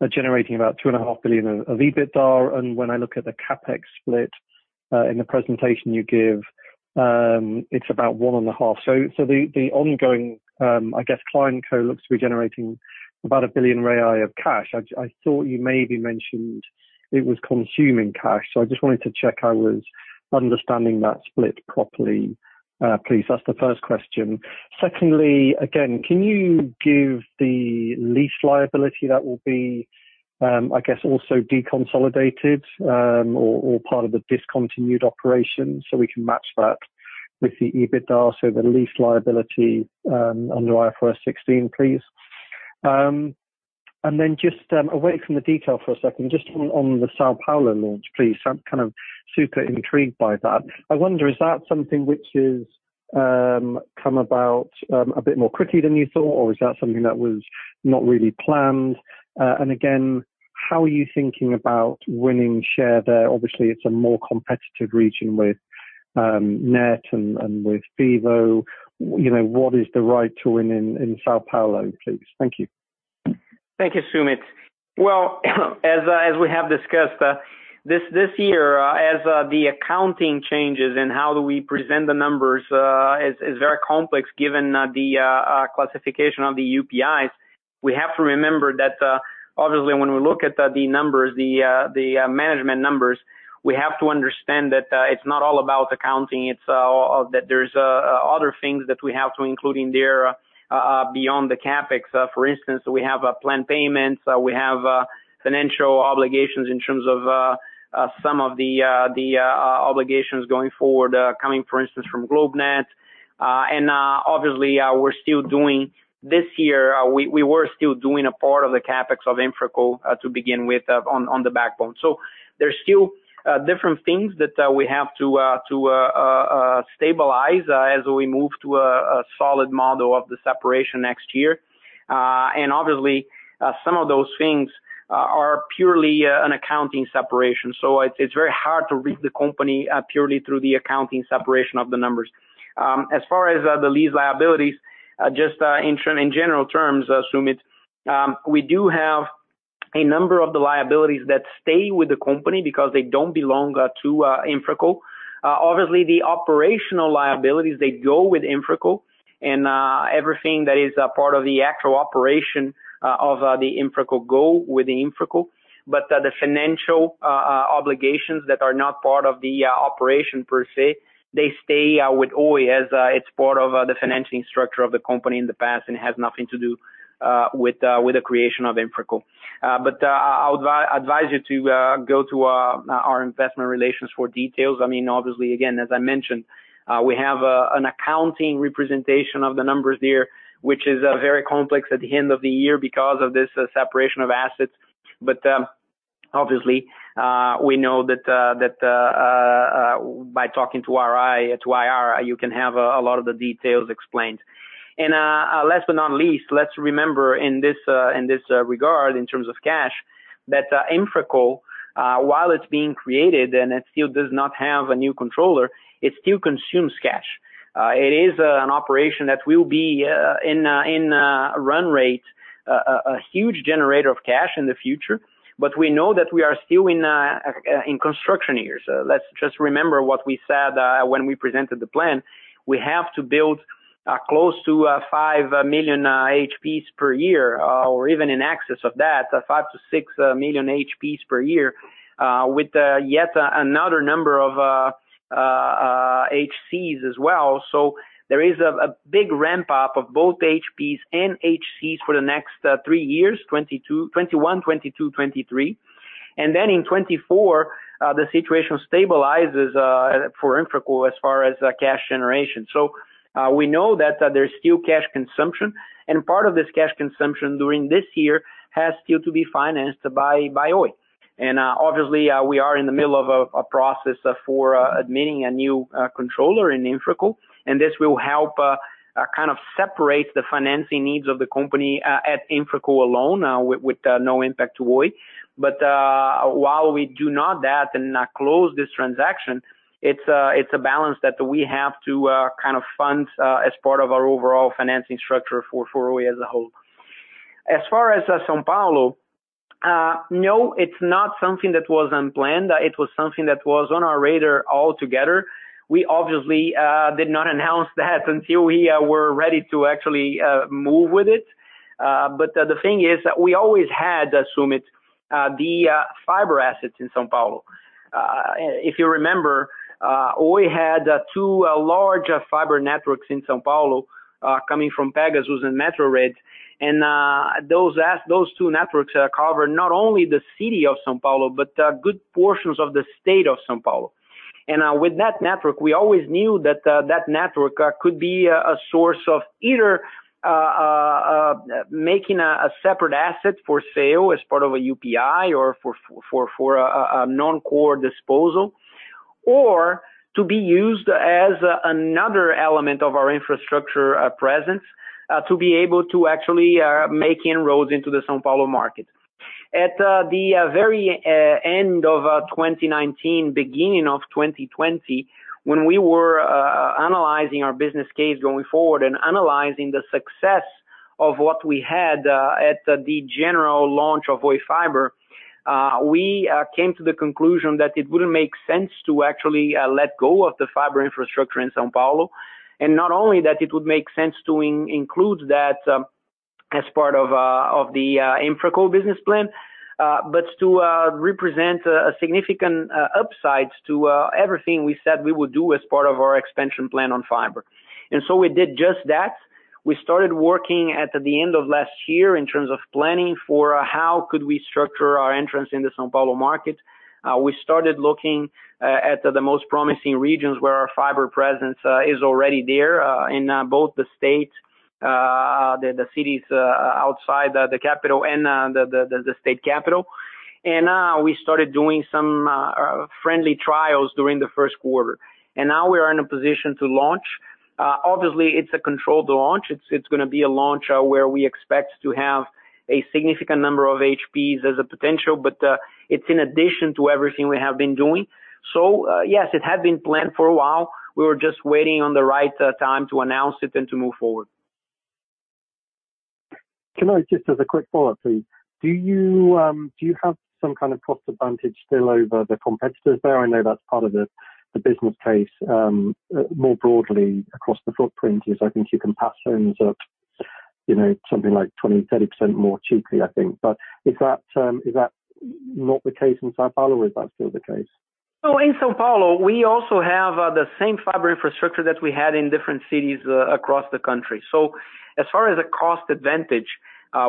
are generating about 2.5 billion of EBITDA. When I look at the CapEx split in the presentation you give, it's about 1.5. The ongoing, I guess, ClientCo looks to be generating about 1 billion of cash. I thought you maybe mentioned it was consuming cash. I just wanted to check I was understanding that split properly, please. That's the first question. Secondly, again, can you give the lease liability that will be, I guess, also deconsolidated or part of the discontinued operation so we can match that with the EBITDA? The lease liability under IFRS 16, please. Just away from the detail for a second, just on the São Paulo launch, please. I'm super intrigued by that. I wonder, is that something which has come about a bit more quickly than you thought, or is that something that was not really planned? Again, how are you thinking about winning share there? Obviously, it's a more competitive region with Net and with Vivo. What is the right to win in São Paulo, please? Thank you. Thank you, Soomit. Well, as we have discussed, this year as the accounting changes in how do we present the numbers is very complex given the classification of the UPIs. We have to remember that obviously, when we look at the management numbers, we have to understand that it's not all about accounting. It's that there's other things that we have to include in there beyond the CapEx. For instance, we have plan payments. We have financial obligations in terms of some of the obligations going forward coming, for instance, from GlobeNet. Obviously, this year, we were still doing a part of the CapEx of InfraCo to begin with on the backbone. There's still different things that we have to stabilize as we move to a solid model of the separation next year. Obviously, some of those things are purely an accounting separation, so it's very hard to read the company purely through the accounting separation of the numbers. As far as the lease liabilities, just in general terms, Soomit, we do have a number of the liabilities that stay with the company because they don't belong to InfraCo. Obviously, the operational liabilities, they go with InfraCo and everything that is a part of the actual operation of the InfraCo go with the InfraCo. The financial obligations that are not part of the operation per se, they stay with Oi as it's part of the financing structure of the company in the past and has nothing to do with the creation of InfraCo. I would advise you to go to our Investor Relations for details. Obviously, again, as I mentioned, we have an accounting representation of the numbers there, which is very complex at the end of the year because of this separation of assets. Obviously, we know that by talking to IR, you can have a lot of the details explained. Last but not least, let's remember in this regard, in terms of cash, that InfraCo, while it's being created and it still does not have a new controller, it still consumes cash. It is an operation that will be, in run rate, a huge generator of cash in the future, but we know that we are still in construction here. Let's just remember what we said when we presented the plan. We have to build close to 5 million HPs per year or even in excess of that, 5 million-6 million HPs per year, with yet another number of HCs as well. There is a big ramp-up of both HPs and HCs for the next three years, 2021, 2022, 2023. In 2024, the situation stabilizes for InfraCo as far as cash generation. We know that there's still cash consumption, and part of this cash consumption during this year has still to be financed by Oi. Obviously, we are in the middle of a process for admitting a new controller in InfraCo, and this will help separate the financing needs of the company at InfraCo alone, with no impact to Oi. While we do not close this transaction, it's a balance that we have to fund as part of our overall financing structure for Oi as a whole. As far as São Paulo, no, it's not something that was unplanned. It was something that was on our radar altogether. We obviously did not announce that until we were ready to actually move with it. The thing is that we always had, Soomit, the fiber assets in São Paulo. If you remember, Oi had two large fiber networks in São Paulo, coming from Pegasus and MetroRED. Those two networks cover not only the city of São Paulo, but good portions of the state of São Paulo. With that network, we always knew that that network could be a source of either making a separate asset for sale as part of a UPI or for a non-core disposal, or to be used as another element of our infrastructure presence to be able to actually make inroads into the São Paulo market. At the very end of 2019, beginning of 2020, when we were analyzing our business case going forward and analyzing the success of what we had at the general launch of Oi Fibra, we came to the conclusion that it wouldn't make sense to actually let go of the fiber infrastructure in São Paulo. Not only that it would make sense to include that as part of the InfraCo business plan, but to represent a significant upside to everything we said we would do as part of our expansion plan on fiber. We did just that. We started working at the end of last year in terms of planning for how could we structure our entrance in the São Paulo market. We started looking at the most promising regions where our fiber presence is already there, in both the cities outside the capital and the state capital. We started doing some friendly trials during the first quarter. Now we are in a position to launch. Obviously, it's a controlled launch. It's going to be a launch where we expect to have a significant number of HPs as a potential, but it's in addition to everything we have been doing. Yes, it had been planned for a while. We were just waiting on the right time to announce it and to move forward. Can I just, as a quick follow-up, please. Do you have some kind of cost advantage still over the competitors there? I know that's part of the business case more broadly across the footprint is I think you can pass homes at something like 20%, 30% more cheaply, I think. Is that not the case in São Paulo, or is that still the case? In São Paulo, we also have the same fiber infrastructure that we had in different cities across the country. As far as the cost advantage,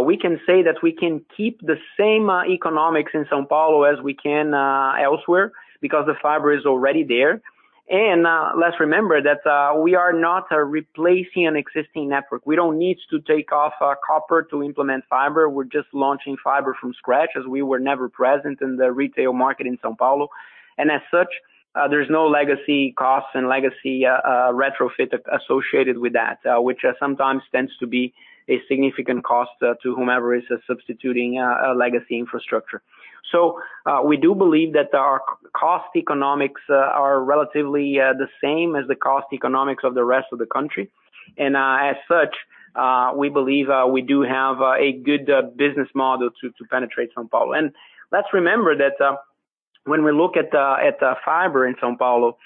we can say that we can keep the same economics in São Paulo as we can elsewhere because the fiber is already there. Let's remember that we are not replacing an existing network. We don't need to take off copper to implement fiber. We're just launching fiber from scratch, as we were never present in the retail market in São Paulo. As such, there's no legacy costs and legacy retrofit associated with that, which sometimes tends to be a significant cost to whomever is substituting a legacy infrastructure. We do believe that our cost economics are relatively the same as the cost economics of the rest of the country. As such, we believe we do have a good business model to penetrate São Paulo. Let's remember that when we look at fiber in São Paulo,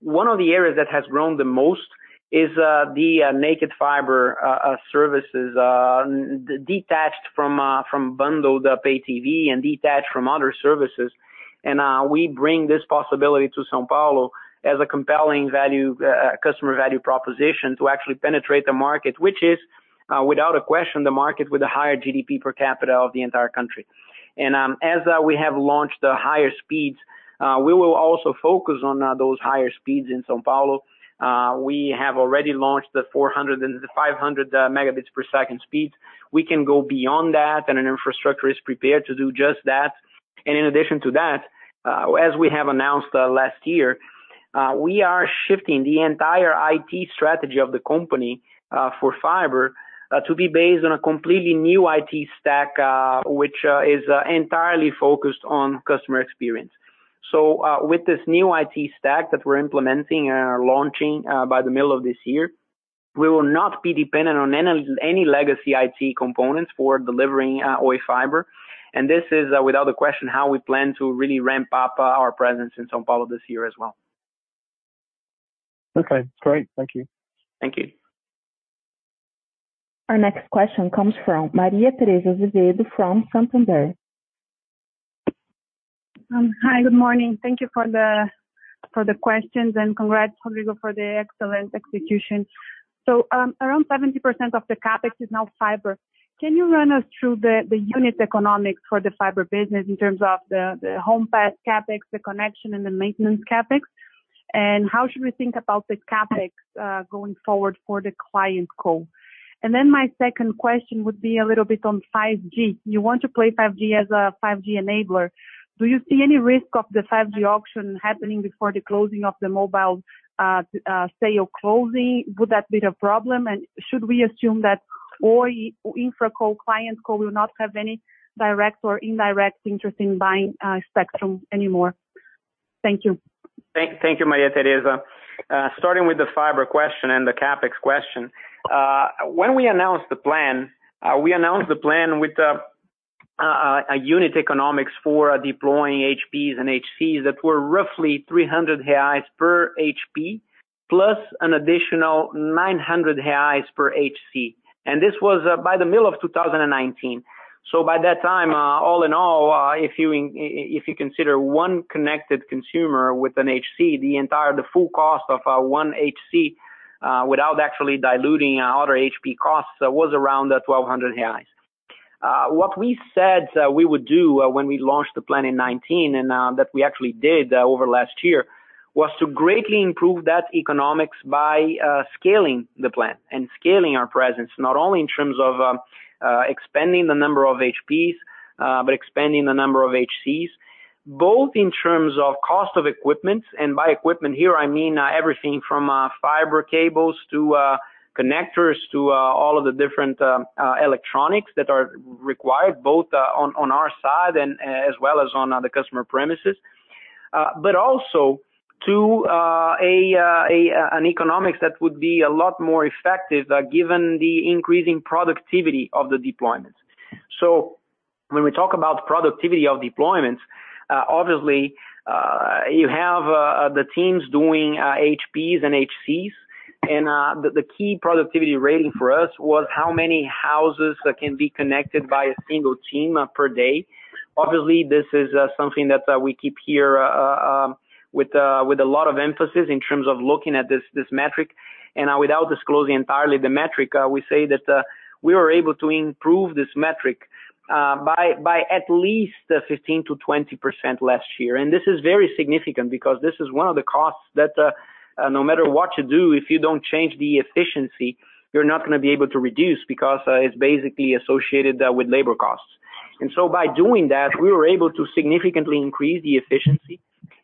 one of the areas that has grown the most is the naked fiber services, detached from bundled-up TV and detached from other services. We bring this possibility to São Paulo as a compelling customer value proposition to actually penetrate the market, which is, without a question, the market with a higher GDP per capita of the entire country. As we have launched the higher speeds, we will also focus on those higher speeds in São Paulo. We have already launched the 400 and the 500 megabits per second speeds. We can go beyond that, and an infrastructure is prepared to do just that. In addition to that, as we have announced last year, we are shifting the entire IT strategy of the company for fiber, to be based on a completely new IT stack, which is entirely focused on customer experience. With this new IT stack that we're implementing and are launching by the middle of this year, we will not be dependent on any legacy IT components for delivering Oi Fibra. This is, without a question, how we plan to really ramp up our presence in São Paulo this year as well. Okay, great. Thank you. Thank you. Our next question comes from Maria Tereza Azevedo from Santander. Hi, good morning. Thank you for the questions. Congrats, Rodrigo, for the excellent execution. Around 70% of the CapEx is now fiber. Can you run us through the unit economics for the fiber business in terms of the home pass CapEx, the connection, and the maintenance CapEx? How should we think about the CapEx going forward for the ClientCo? My second question would be a little bit on 5G. You want to play 5G as a 5G enabler. Do you see any risk of the 5G auction happening before the closing of the mobile sale closing? Would that be the problem? Should we assume that Oi InfraCo ClientCo will not have any direct or indirect interest in buying spectrum anymore? Thank you. Thank you, Maria Tereza. Starting with the fiber question and the CapEx question. When we announced the plan, we announced the plan with a unit economics for deploying HPs and HCs that were roughly 300 reais per HP, plus an additional 900 reais per HC. This was by the middle of 2019. By that time, all in all, if you consider one connected consumer with an HC, the full cost of one HC, without actually diluting other HP costs, was around 1,200 reais. What we said we would do when we launched the plan in 2019, and that we actually did over last year, was to greatly improve that economics by scaling the plan and scaling our presence, not only in terms of expanding the number of HPs, but expanding the number of HCs, both in terms of cost of equipment. By equipment here, I mean everything from fiber cables to connectors to all of the different electronics that are required, both on our side and as well as on the customer premises. Also to an economics that would be a lot more effective given the increasing productivity of the deployments. When we talk about productivity of deployments, obviously, you have the teams doing HPs and HCs. The key productivity rating for us was how many houses can be connected by a single team per day. Obviously, this is something that we keep here with a lot of emphasis in terms of looking at this metric. Without disclosing entirely the metric, we say that we were able to improve this metric by at least 15%-20% last year. This is very significant because this is one of the costs that no matter what you do, if you don't change the efficiency, you're not going to be able to reduce because it's basically associated with labor costs. By doing that, we were able to significantly increase the efficiency.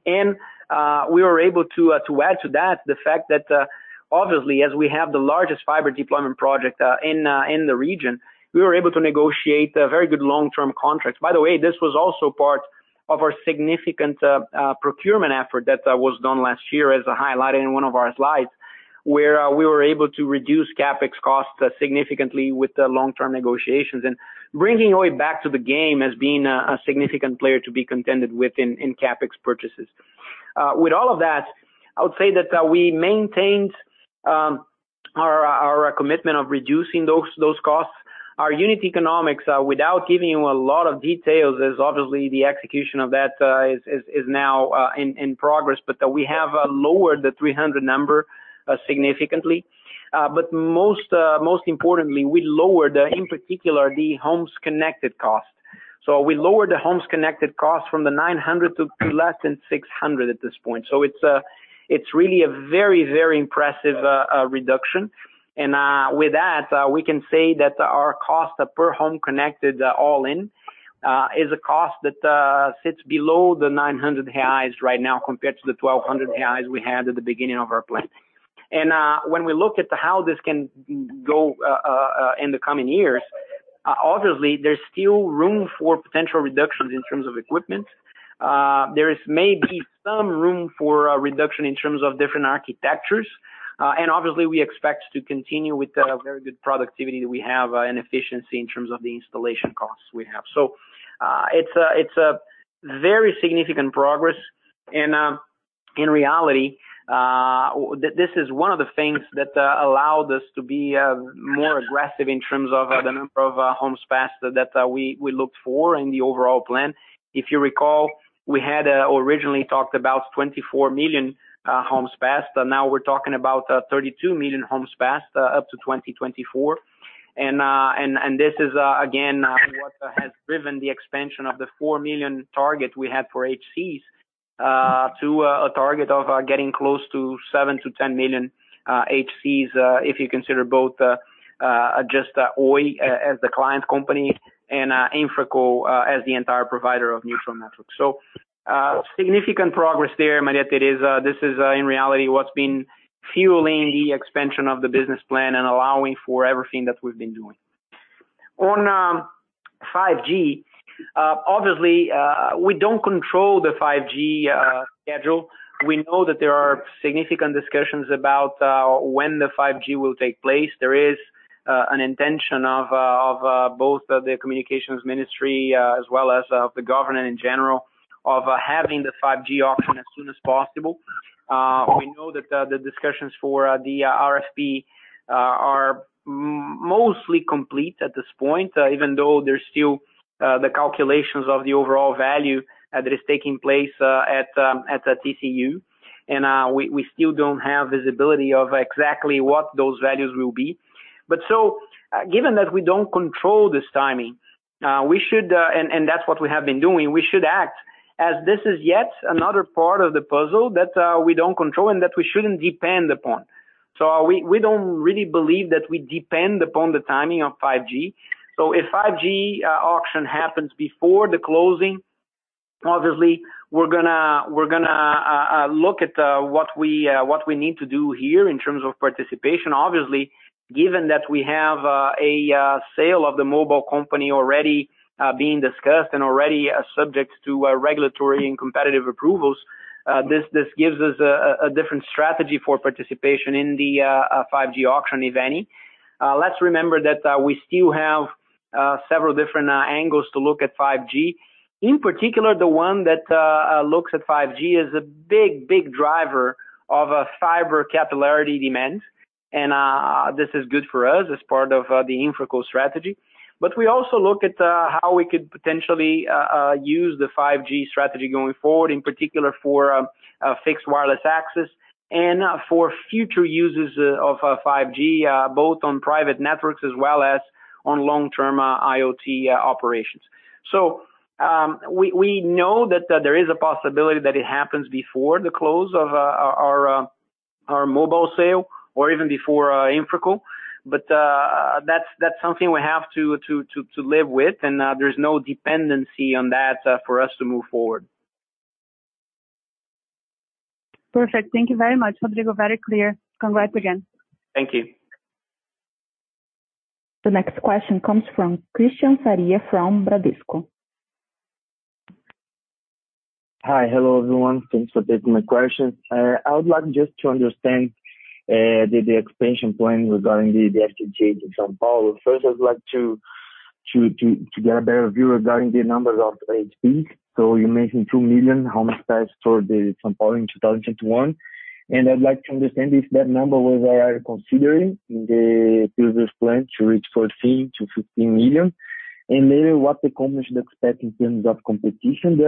We were able to add to that the fact that, obviously, as we have the largest fiber deployment project in the region, we were able to negotiate very good long-term contracts. By the way, this was also part of our significant procurement effort that was done last year as highlighted in one of our slides, where we were able to reduce CapEx costs significantly with the long-term negotiations, and bringing Oi back to the game as being a significant player to be contended with in CapEx purchases. With all of that, I would say that we maintained our commitment of reducing those costs. Our unit economics, without giving you a lot of details, as obviously the execution of that is now in progress, but we have lowered the 300 number significantly. Most importantly, we lowered, in particular, the homes connected cost. We lowered the homes connected cost from the 900 to less than 600 at this point. It's really a very impressive reduction. With that, we can say that our cost per home connected all-in is a cost that sits below the 900 reais right now compared to the 1,200 reais we had at the beginning of our plan. When we look at how this can go in the coming years, obviously there's still room for potential reductions in terms of equipment. There is maybe some room for a reduction in terms of different architectures. Obviously we expect to continue with the very good productivity that we have and efficiency in terms of the installation costs we have. It's a very significant progress and, in reality, this is one of the things that allowed us to be more aggressive in terms of the number of homes passed that we looked for in the overall plan. If you recall, we had originally talked about 24 million homes passed. Now we're talking about 32 million homes passed up to 2024. This is again what has driven the expansion of the 4 million target we had for HCs to a target of getting close to seven to 10 million HCs, if you consider both just Oi as the client company and InfraCo as the entire provider of neutral networks. Significant progress there, Maria Tereza. This is in reality what's been fueling the expansion of the business plan and allowing for everything that we've been doing. On 5G, obviously, we don't control the 5G schedule. We know that there are significant discussions about when the 5G will take place. There is an intention of both the communications ministry, as well as of the government in general, of having the 5G auction as soon as possible. We know that the discussions for the RSP are mostly complete at this point, even though there's still the calculations of the overall value that is taking place at the TCU, and we still don't have visibility of exactly what those values will be. Given that we don't control this timing, and that's what we have been doing, we should act as this is yet another part of the puzzle that we don't control and that we shouldn't depend upon. We don't really believe that we depend upon the timing of 5G. If 5G auction happens before the closing, obviously we're going to look at what we need to do here in terms of participation. Obviously, given that we have a sale of the mobile company already being discussed and already subject to regulatory and competitive approvals, this gives us a different strategy for participation in the 5G auction, if any. Let's remember that we still have several different angles to look at 5G. In particular, the one that looks at 5G is a big driver of fiber capillarity demands, and this is good for us as part of the InfraCo strategy. We also look at how we could potentially use the 5G strategy going forward, in particular for fixed wireless access and for future uses of 5G, both on private networks as well as on long-term IoT operations. We know that there is a possibility that it happens before the close of our mobile sale or even before InfraCo. That's something we have to live with, and there's no dependency on that for us to move forward. Perfect. Thank you very much, Rodrigo. Very clear. Congrats again. Thank you. The next question comes from Christian Faria from Bradesco. Hi. Hello, everyone. Thanks for taking my question. I would like just to understand the expansion plan regarding the FTTH in São Paulo. First, I would like to get a better view regarding the numbers of HP. You mentioned 2 million homes passed for São Paulo in 2021. I'd like to understand if that number was already considering in the previous plan to reach 14 million-15 million. Maybe what the company should expect in terms of competition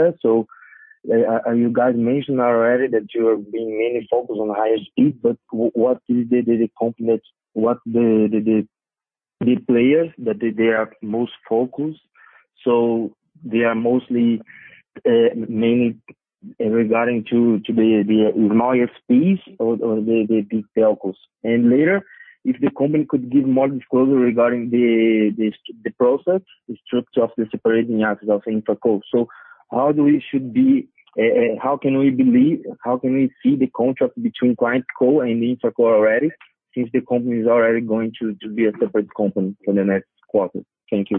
there. You guys mentioned already that you are being mainly focused on higher speed, but what the big players that they are most focused? They are mostly mainly regarding to the higher speeds or the big telcos. Later, if the company could give more disclosure regarding the process, the structure of the separating assets of InfraCo. How can we see the contract between ClientCo and InfraCo already since the company is already going to be a separate company in the next quarter? Thank you.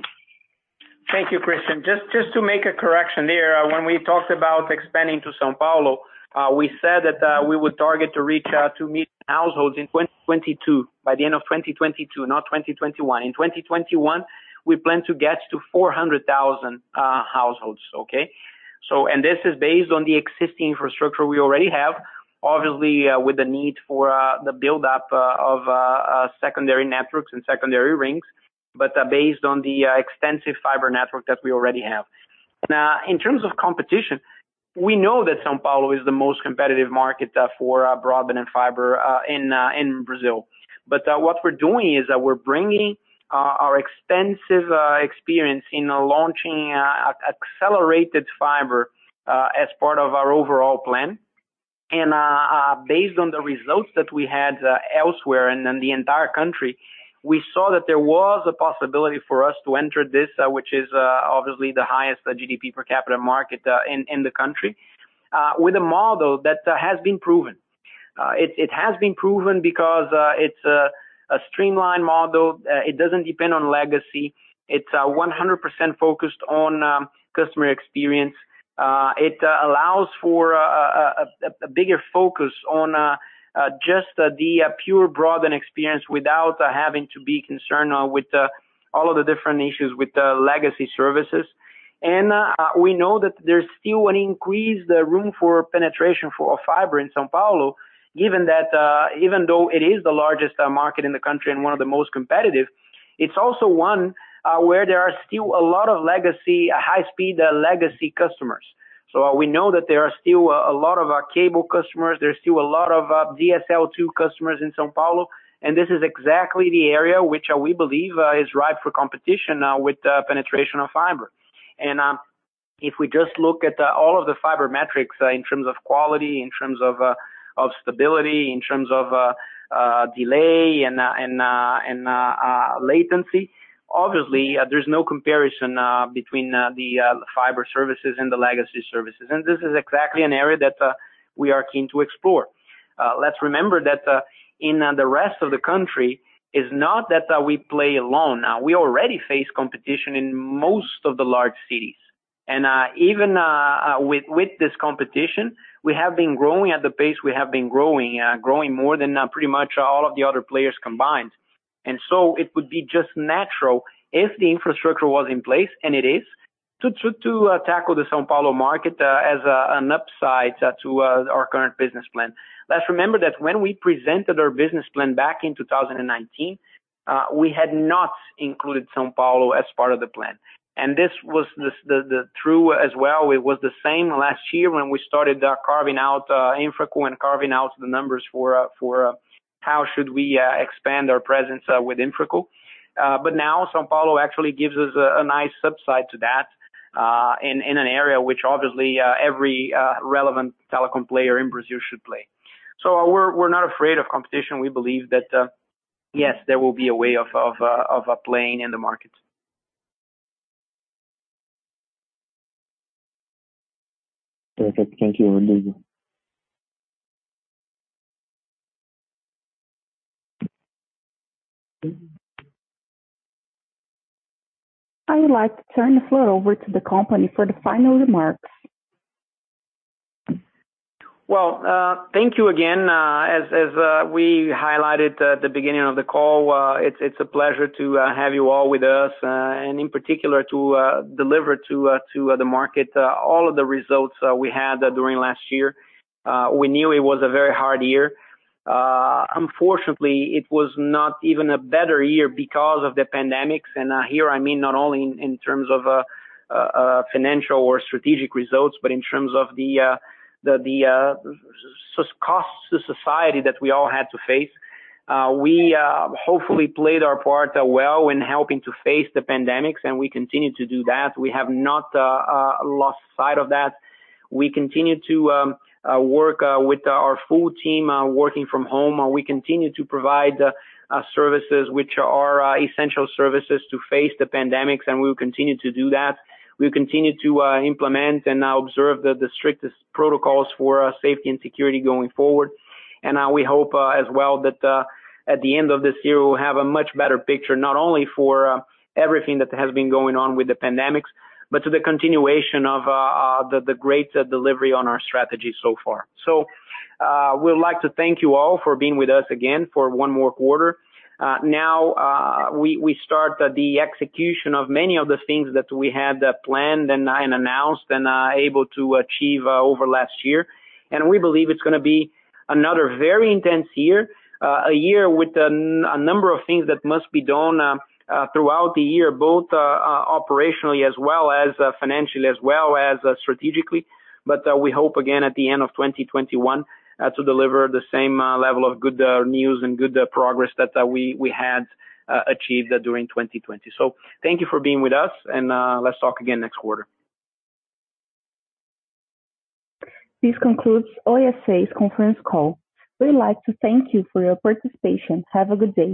Thank you, Christian. Just to make a correction there. When we talked about expanding to São Paulo, we said that we would target to reach 2 million households in 2022. By the end of 2022, not 2021. In 2021, we plan to get to 400,000 households, okay? This is based on the existing infrastructure we already have. Obviously, with the need for the buildup of secondary networks and secondary rings, based on the extensive fiber network that we already have. In terms of competition. We know that São Paulo is the most competitive market for broadband and fiber in Brazil. What we're doing is that we're bringing our extensive experience in launching accelerated fiber as part of our overall plan. Based on the results that we had elsewhere and in the entire country, we saw that there was a possibility for us to enter this, which is obviously the highest GDP per capita market in the country, with a model that has been proven. It has been proven because it's a streamlined model. It doesn't depend on legacy. It's 100% focused on customer experience. It allows for a bigger focus on just the pure broadband experience without having to be concerned with all of the different issues with the legacy services. We know that there's still an increased room for penetration for fiber in São Paulo, even though it is the largest market in the country and one of the most competitive, it's also one where there are still a lot of high-speed legacy customers. We know that there are still a lot of cable customers, there are still a lot of ADSL2 customers in São Paulo, and this is exactly the area which we believe is ripe for competition now with penetration of fiber. If we just look at all of the fiber metrics in terms of quality, in terms of stability, in terms of delay and latency, obviously, there's no comparison between the fiber services and the legacy services. This is exactly an area that we are keen to explore. Let's remember that in the rest of the country, it's not that we play alone. We already face competition in most of the large cities. Even with this competition, we have been growing at the pace we have been growing more than pretty much all of the other players combined. It would be just natural if the infrastructure was in place, and it is, to tackle the São Paulo market as an upside to our current business plan. Let's remember that when we presented our business plan back in 2019, we had not included São Paulo as part of the plan. This was true as well, it was the same last year when we started carving out InfraCo and carving out the numbers for how should we expand our presence with InfraCo. Now São Paulo actually gives us a nice upside to that, in an area which obviously every relevant telecom player in Brazil should play. We're not afraid of competition. We believe that, yes, there will be a way of playing in the market. Perfect. Thank you. Over to you. I would like to turn the floor over to the company for the final remarks. Well, thank you again. As we highlighted at the beginning of the call, it's a pleasure to have you all with us, and in particular to deliver to the market all of the results we had during last year. We knew it was a very hard year. Unfortunately, it was not even a better year because of the pandemic. Here, I mean not only in terms of financial or strategic results, but in terms of the cost to society that we all had to face. We hopefully played our part well in helping to face the pandemic, and we continue to do that. We have not lost sight of that. We continue to work with our full team, working from home. We continue to provide services which are essential services to face the pandemic, and we will continue to do that. We'll continue to implement and observe the strictest protocols for safety and security going forward. We hope as well that at the end of this year, we'll have a much better picture, not only for everything that has been going on with the pandemic, but to the continuation of the great delivery on our strategy so far. We'd like to thank you all for being with us again for one more quarter. Now, we start the execution of many of the things that we had planned and announced and are able to achieve over last year. We believe it's going to be another very intense year, a year with a number of things that must be done throughout the year, both operationally as well as financially, as well as strategically. We hope again at the end of 2021, to deliver the same level of good news and good progress that we had achieved during 2020. Thank you for being with us, and let's talk again next quarter. This concludes Oi S.A.'s conference call. We'd like to thank you for your participation. Have a good day.